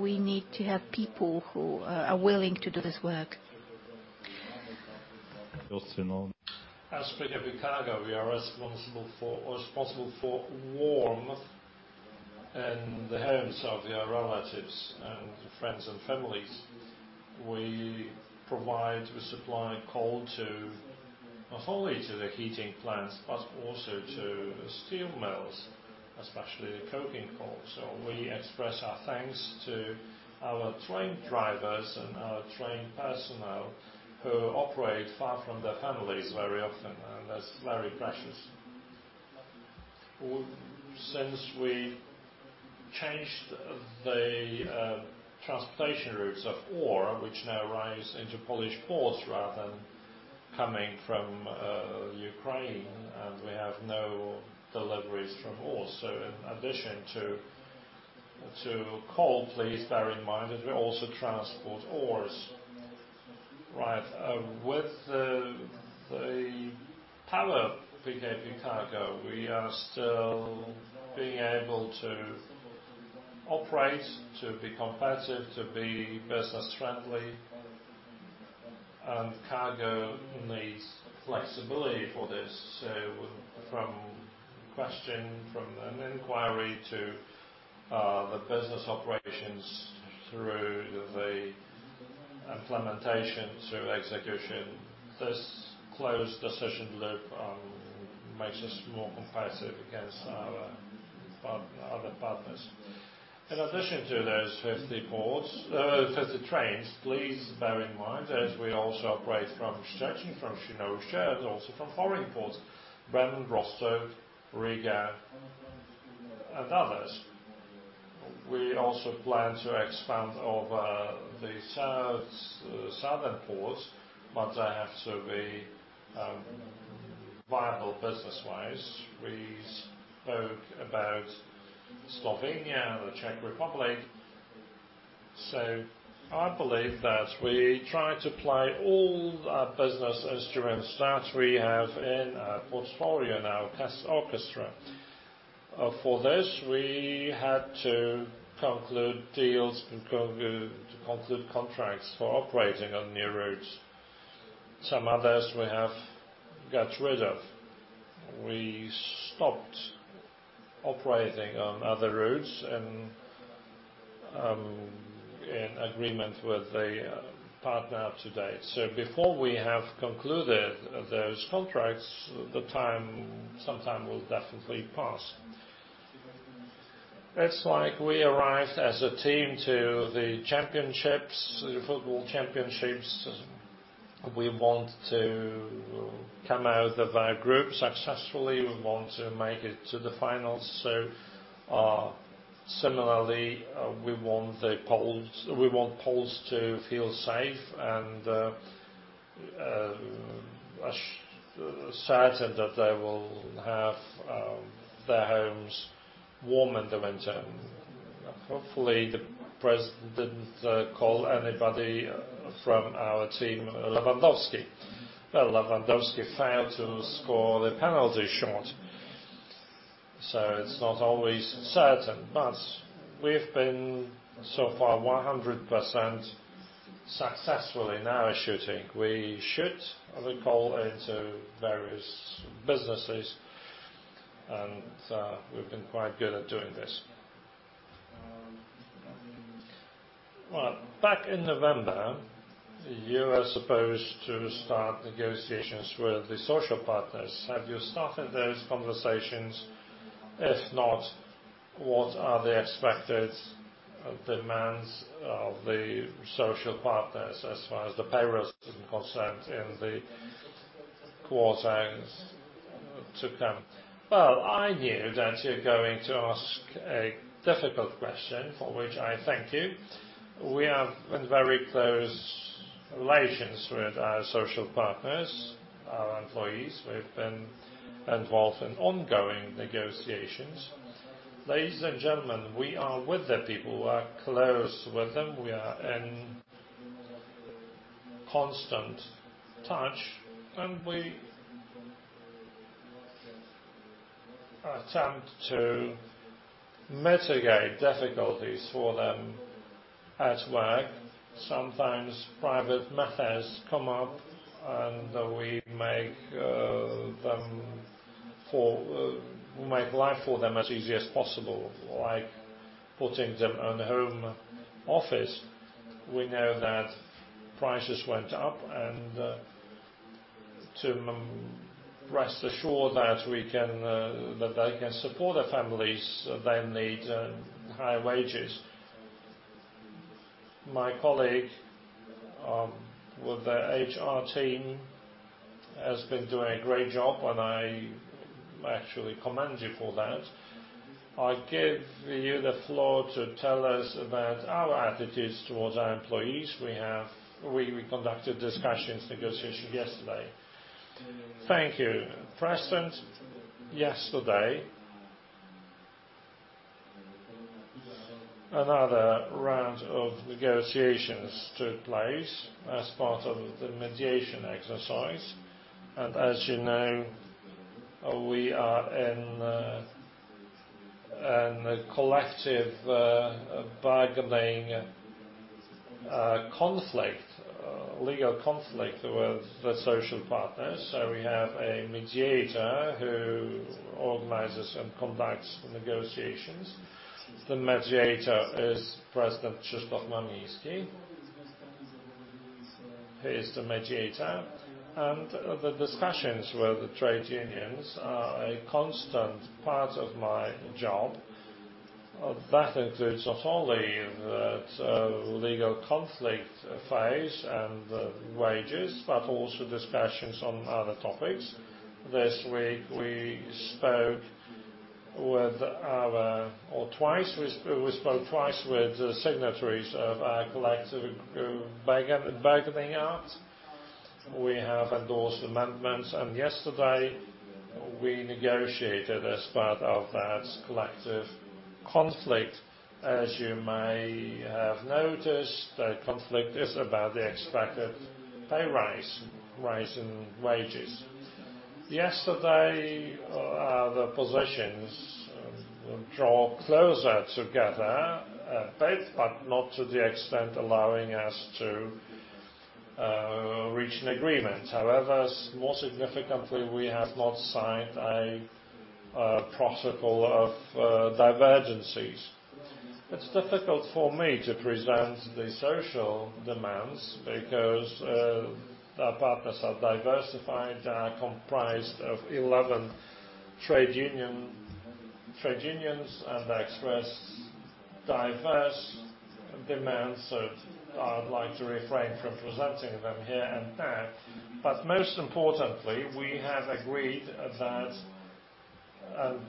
we need to have people who are willing to do this work. As PKP CARGO, we are responsible for warmth in the homes of their relatives and friends and families. We supply coal not only to the heating plants, but also to steel mills, especially the coking coal. We express our thanks to our train drivers and our train personnel who operate far from their families very often. That's very precious. Since we changed the transportation routes of ore, which now rise into Polish ports rather than coming from Ukraine, we have no deliveries from ore. In addition to coal, please bear in mind that we also transport ores. Right. With the power of PKP CARGO, we are still being able to operate, to be competitive, to be business-friendly. Cargo needs flexibility for this. From question, from an inquiry to the business operations through the implementation, through execution, this closed decision loop makes us more competitive against our other partners. In addition to those 50 ports, 50 trains, please bear in mind as we also operate from Szczecin, from Świnoujście, and also from foreign ports, Bremen, Rostock, Riga, and others. We also plan to expand over the south, southern ports, but they have to be viable business-wise. We spoke about Slovenia and the Czech Republic. I believe that we try to play all our businesses during start we have in our portfolio now as orchestra. For this, we had to conclude deals, conclude contracts for operating on new routes. Some others we have got rid of. We stopped operating on other routes and in agreement with the partner today. Before we have concluded those contracts, the time, some time will definitely pass. It's like we arrived as a team to the championships, the football championships. We want to come out of our group successfully. We want to make it to the finals. Similarly, we want Poles to feel safe and certain that they will have their homes warm in the winter. Hopefully, the president didn't call anybody from our team Lewandowski. Well, Lewandowski failed to score the penalty shot, so it's not always certain. We've been, so far, 100% successful in our shooting. We shoot the goal into various businesses, and we've been quite good at doing this. Back in November, you were supposed to start negotiations with the social partners. Have you started those conversations? If not, what are the expected demands of the social partners as far as the pay raise is concerned in the quarters to come? I knew that you're going to ask a difficult question, for which I thank you. We have very close relations with our social partners, our employees. We've been involved in ongoing negotiations. Ladies and gentlemen, we are with the people. We are close with them. We are in constant touch, and we attempt to mitigate difficulties for them at work. Sometimes private matters come up, and we make life for them as easy as possible, like putting them on home office. We know that prices went up. To rest assured that we can, that they can support their families, they need high wages. My colleague with the HR team has been doing a great job. I actually commend you for that. I give you the floor to tell us about our attitudes towards our employees. We conducted discussions, negotiation yesterday. Thank you. President, yesterday, another round of negotiations took place as part of the mediation exercise. As you know, we are in a collective bargaining conflict, legal conflict with the social partners. We have a mediator who organizes and conducts the negotiations. The mediator is President Krzysztof Mamiński. He is the mediator. The discussions with the trade unions are a constant part of my job. That includes not only that legal conflict phase and wages, but also discussions on other topics. This week, we spoke with our. Twice, we spoke twice with signatories of our collective bargaining act. We have endorsed amendments, and yesterday, we negotiated as part of that collective conflict. As you may have noticed, the conflict is about the expected pay raise, rise in wages. Yesterday, the positions draw closer together a bit, but not to the extent allowing us to reach an agreement. However, more significantly, we have not signed a protocol of divergencies. It's difficult for me to present the social demands because our partners are diversified. They are comprised of 11 trade unions, and they express diverse demands that I would like to refrain from presenting them here and now. Most importantly, we have agreed that,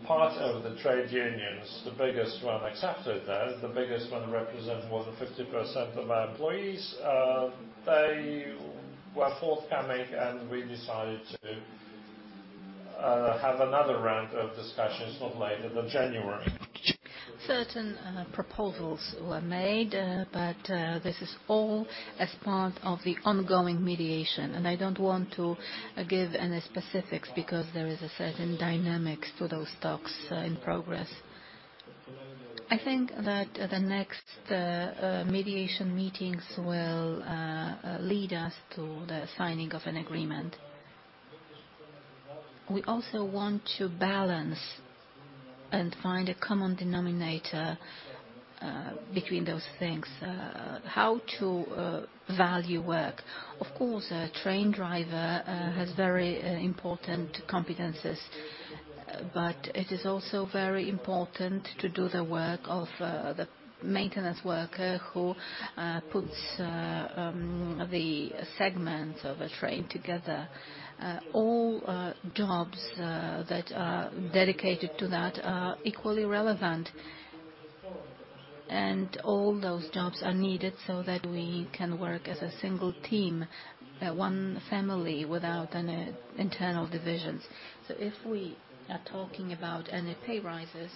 part of the trade unions, the biggest one accepted that, the biggest one represent more than 50% of our employees, they were forthcoming, and we decided to have another round of discussions not later than January. Certain proposals were made, but this is all as part of the ongoing mediation, and I don't want to give any specifics because there is a certain dynamics to those talks in progress. I think that the next mediation meetings will lead us to the signing of an agreement. We also want to balance and find a common denominator between those things. How to value work. Of course, a train driver has very important competencies, but it is also very important to do the work of the maintenance worker who puts the segment of a train together. All jobs that are dedicated to that are equally relevant. All those jobs are needed so that we can work as a single team, one family without any internal divisions. If we are talking about any pay rises,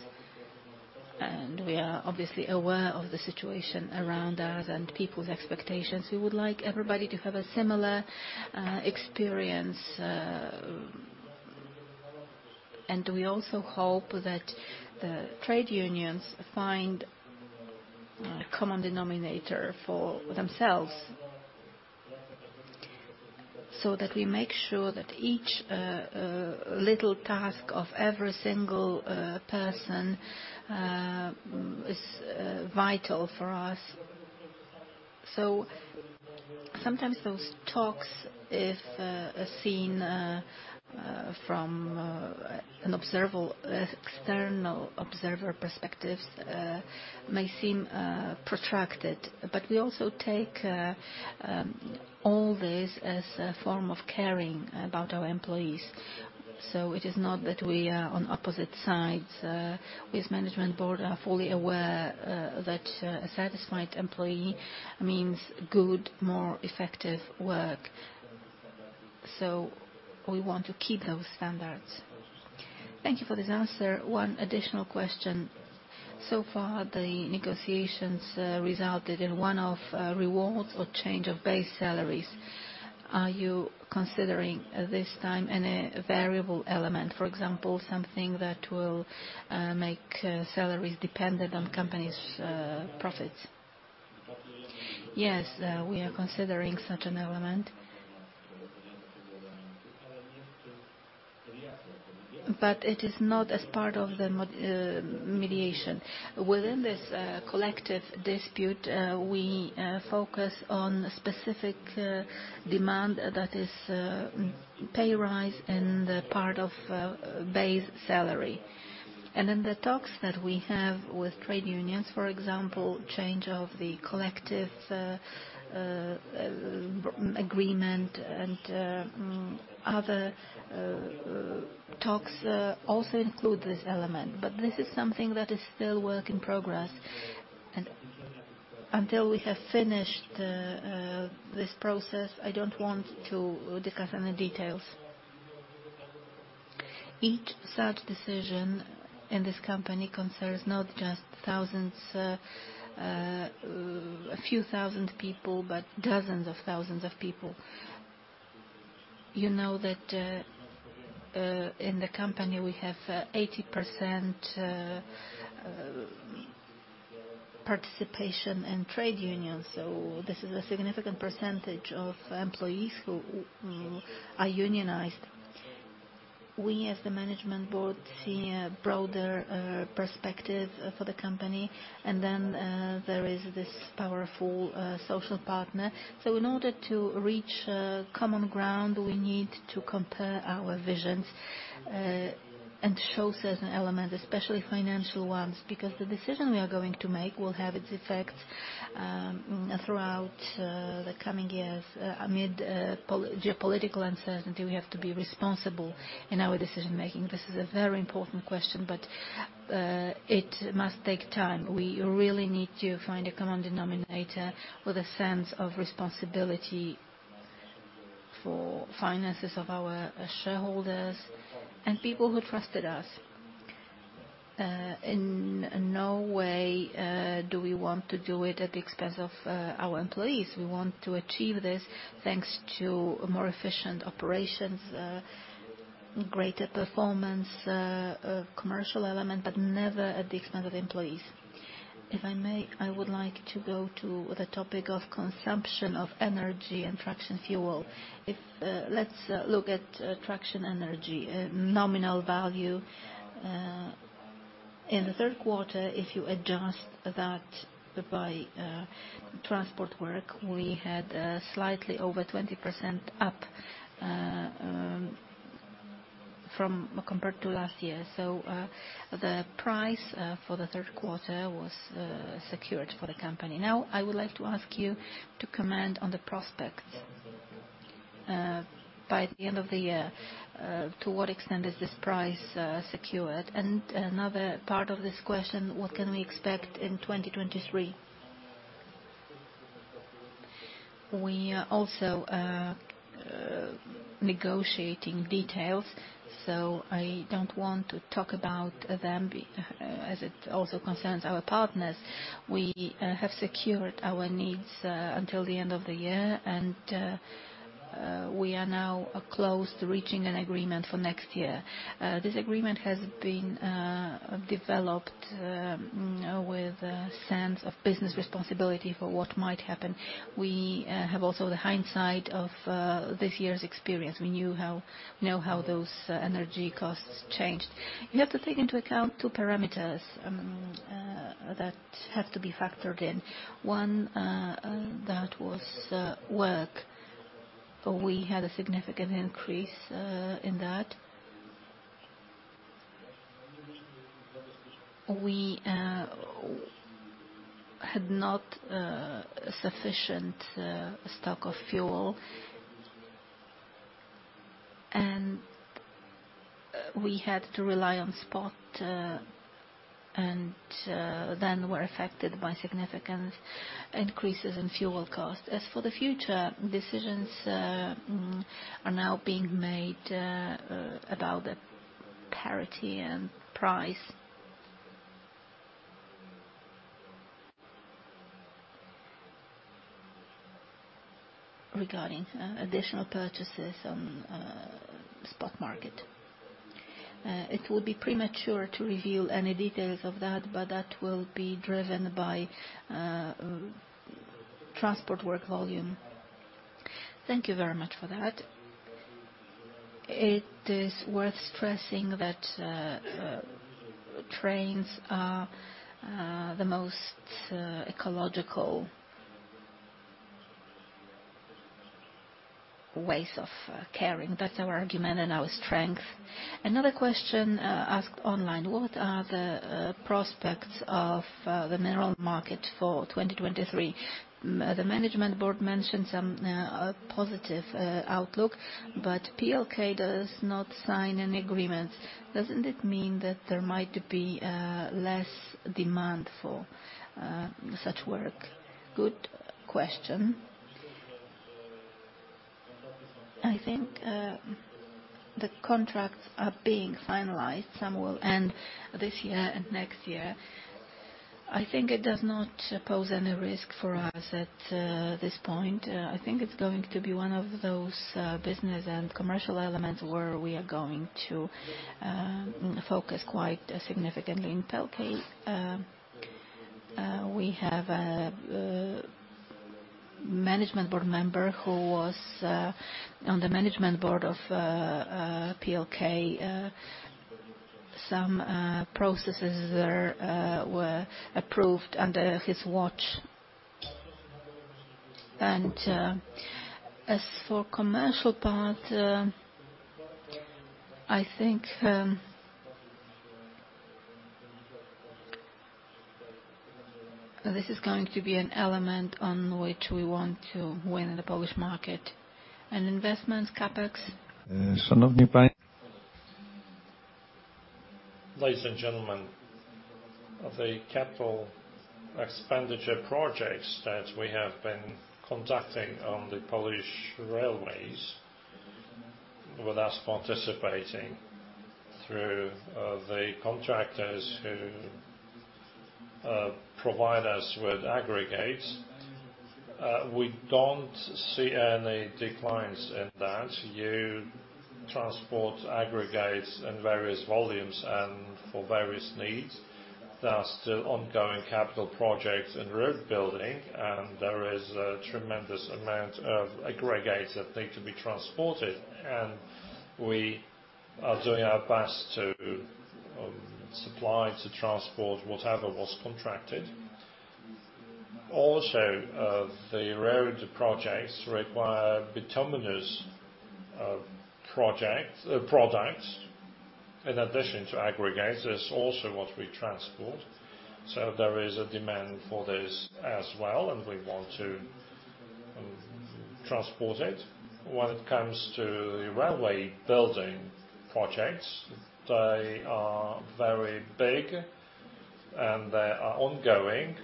and we are obviously aware of the situation around us and people's expectations, we would like everybody to have a similar experience. And we also hope that the trade unions find a common denominator for themselves. That we make sure that each little task of every single person is vital for us. Sometimes those talks, if seen from an observable external observer perspectives, may seem protracted, but we also take all this as a form of caring about our employees. It is not that we are on opposite sides. We as management board are fully aware that a satisfied employee means good, more effective work. We want to keep those standards. Thank you for this answer. One additional question. So far, the negotiations resulted in one-off rewards or change of base salaries. Are you considering this time any variable element? For example, something that will make salaries dependent on company's profits? Yes, we are considering such an element. It is not as part of the mediation. Within this collective dispute, we focus on specific demand that is pay rise in the part of base salary. In the talks that we have with trade unions, for example, change of the collective agreement and other talks also include this element. This is something that is still work in progress. Until we have finished this process, I don't want to discuss any details. Each such decision in this company concerns not just thousands, a few thousand people, but dozens of thousands of people. You know that, in the company, we have 80% participation in trade unions. This is a significant percentage of employees who are unionized. We as the management board see a broader perspective for the company. Then there is this powerful social partner. In order to reach a common ground, we need to compare our visions and show certain elements, especially financial ones, because the decision we are going to make will have its effects throughout the coming years. Amid geopolitical uncertainty, we have to be responsible in our decision-making. This is a very important question. It must take time. We really need to find a common denominator with a sense of responsibility for finances of our shareholders and people who trusted us. In no way do we want to do it at the expense of our employees. We want to achieve this thanks to more efficient operations, greater performance, commercial element, but never at the expense of the employees. If I may, I would like to go to the topic of consumption of energy and traction fuel. If let's look at traction energy, nominal value, in the third quarter, if you adjust that by transport work, we had slightly over 20% up from compared to last year. The price for the third quarter was secured for the company. I would like to ask you to comment on the prospect by the end of the year, to what extent is this price secured? Another part of this question, what can we expect in 2023? We are also negotiating details, so I don't want to talk about them as it also concerns our partners. We have secured our needs until the end of the year, and we are now close to reaching an agreement for next year. This agreement has been developed with a sense of business responsibility for what might happen. We have also the hindsight of this year's experience. We know how those energy costs changed. You have to take into account 2 parameters that have to be factored in. One, that was work. We had a significant increase in that. We had not a sufficient stock of fuel. We had to rely on spot, and then were affected by significant increases in fuel costs. As for the future, decisions are now being made about the parity and price regarding additional purchases on spot market. It will be premature to reveal any details of that, but that will be driven by transport work volume. Thank you very much for that. It is worth stressing that trains are the most ecological ways of carrying. That's our argument and our strength. Another question asked online: What are the prospects of the mineral market for 2023? The management board mentioned some positive outlook. PLK does not sign any agreements. Doesn't it mean that there might be less demand for such work? Good question. I think the contracts are being finalized. Some will end this year and next year. I think it does not pose any risk for us at this point. I think it's going to be one of those business and commercial elements where we are going to focus quite significantly in PLK. We have a management board member who was on the management board of PLK. Some processes there were approved under his watch. As for commercial part, I think this is going to be an element on which we want to win in the Polish market. Investments, CapEx? Ladies and gentlemen, of the capital expenditure projects that we have been conducting on the Polish railways with us participating through the contractors who provide us with aggregates, we don't see any declines in that. You transport aggregates in various volumes and for various needs. There are still ongoing capital projects in road building, and there is a tremendous amount of aggregates that need to be transported, and we are doing our best to supply, to transport whatever was contracted. The road projects require bituminous products. In addition to aggregates, there's also what we transport. There is a demand for this as well, and we want to transport it. When it comes to the railway building projects, they are very big, and they are ongoing.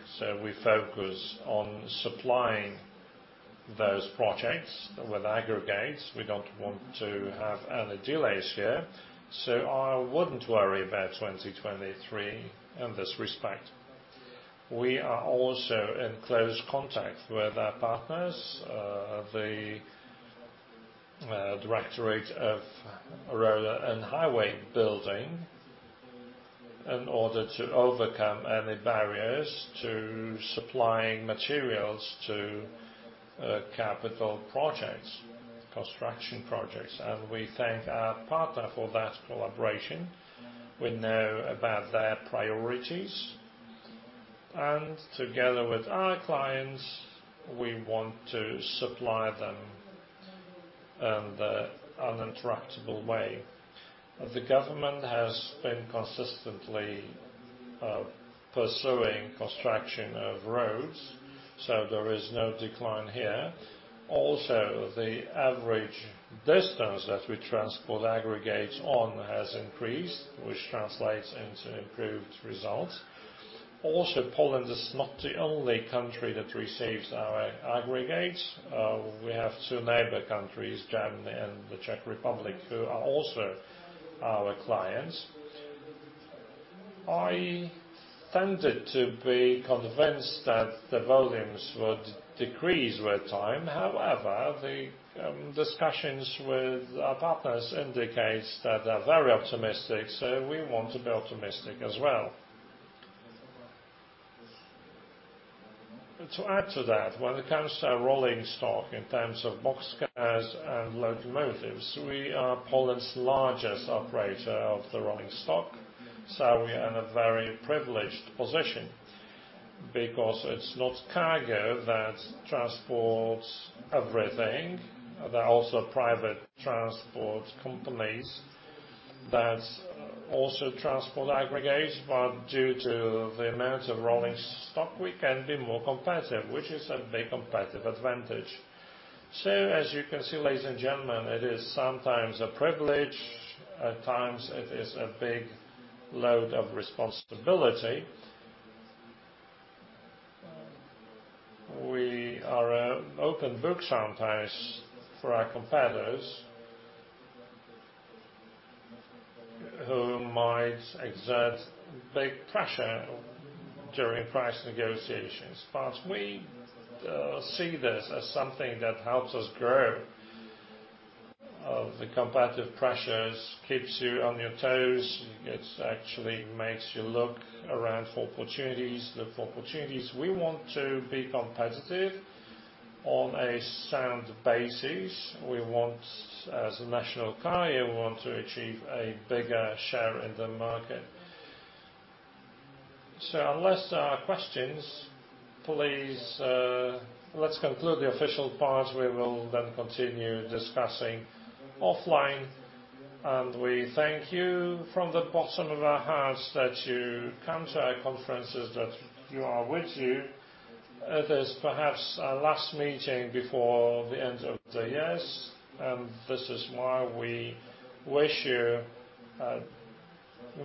We focus on supplying those projects with aggregates. We don't want to have any delays here. I wouldn't worry about 2023 in this respect. We are also in close contact with our partners, the Directorate of Road and Highway Building, in order to overcome any barriers to supplying materials to capital projects, construction projects. We thank our partner for that collaboration. We know about their priorities, and together with our clients, we want to supply them in the uninterruptible way. The government has been consistently pursuing construction of roads, so there is no decline here. The average distance that we transport aggregates on has increased, which translates into improved results. Poland is not the only country that receives our aggregates. We have 2 neighbor countries, Germany and the Czech Republic, who are also our clients. I tended to be convinced that the volumes would decrease with time. The discussions with our partners indicates that they're very optimistic, we want to be optimistic as well. To add to that, when it comes to our rolling stock in terms of box cars and locomotives, we are Poland's largest operator of the rolling stock, we are in a very privileged position because it's not PKP CARGO that transports everything. There are also private transport companies that also transport aggregates, due to the amount of rolling stock, we can be more competitive, which is a big competitive advantage. As you can see, ladies and gentlemen, it is sometimes a privilege, at times it is a big load of responsibility. We are an open book sometimes for our competitors who might exert big pressure during price negotiations. We see this as something that helps us grow. The competitive pressures keeps you on your toes. It actually makes you look around for opportunities, look for opportunities. We want to be competitive on a sound basis. We want, as a national carrier, we want to achieve a bigger share in the market. Unless there are questions, please, let's conclude the official part. We will then continue discussing offline. We thank you from the bottom of our hearts that you come to our conferences, that you are with you. It is perhaps our last meeting before the end of the years, this is why we wish you a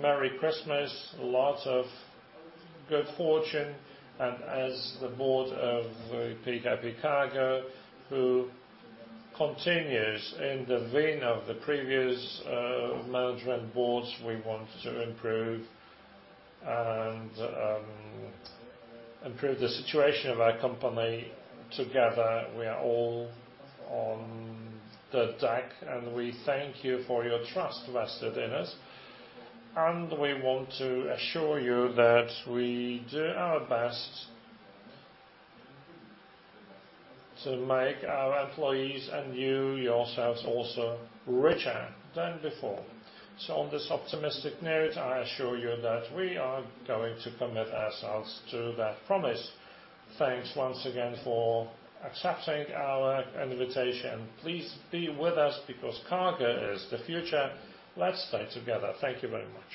Merry Christmas, a lot of good fortune. As the board of PKP CARGO, who continues in the vein of the previous management boards, we want to improve the situation of our company together. We are all on the deck, and we thank you for your trust vested in us. We want to assure you that we do our best to make our employees and you yourselves also richer than before. On this optimistic note, I assure you that we are going to commit ourselves to that promise. Thanks once again for accepting our invitation. Please be with us because cargo is the future. Let's stay together. Thank you very much.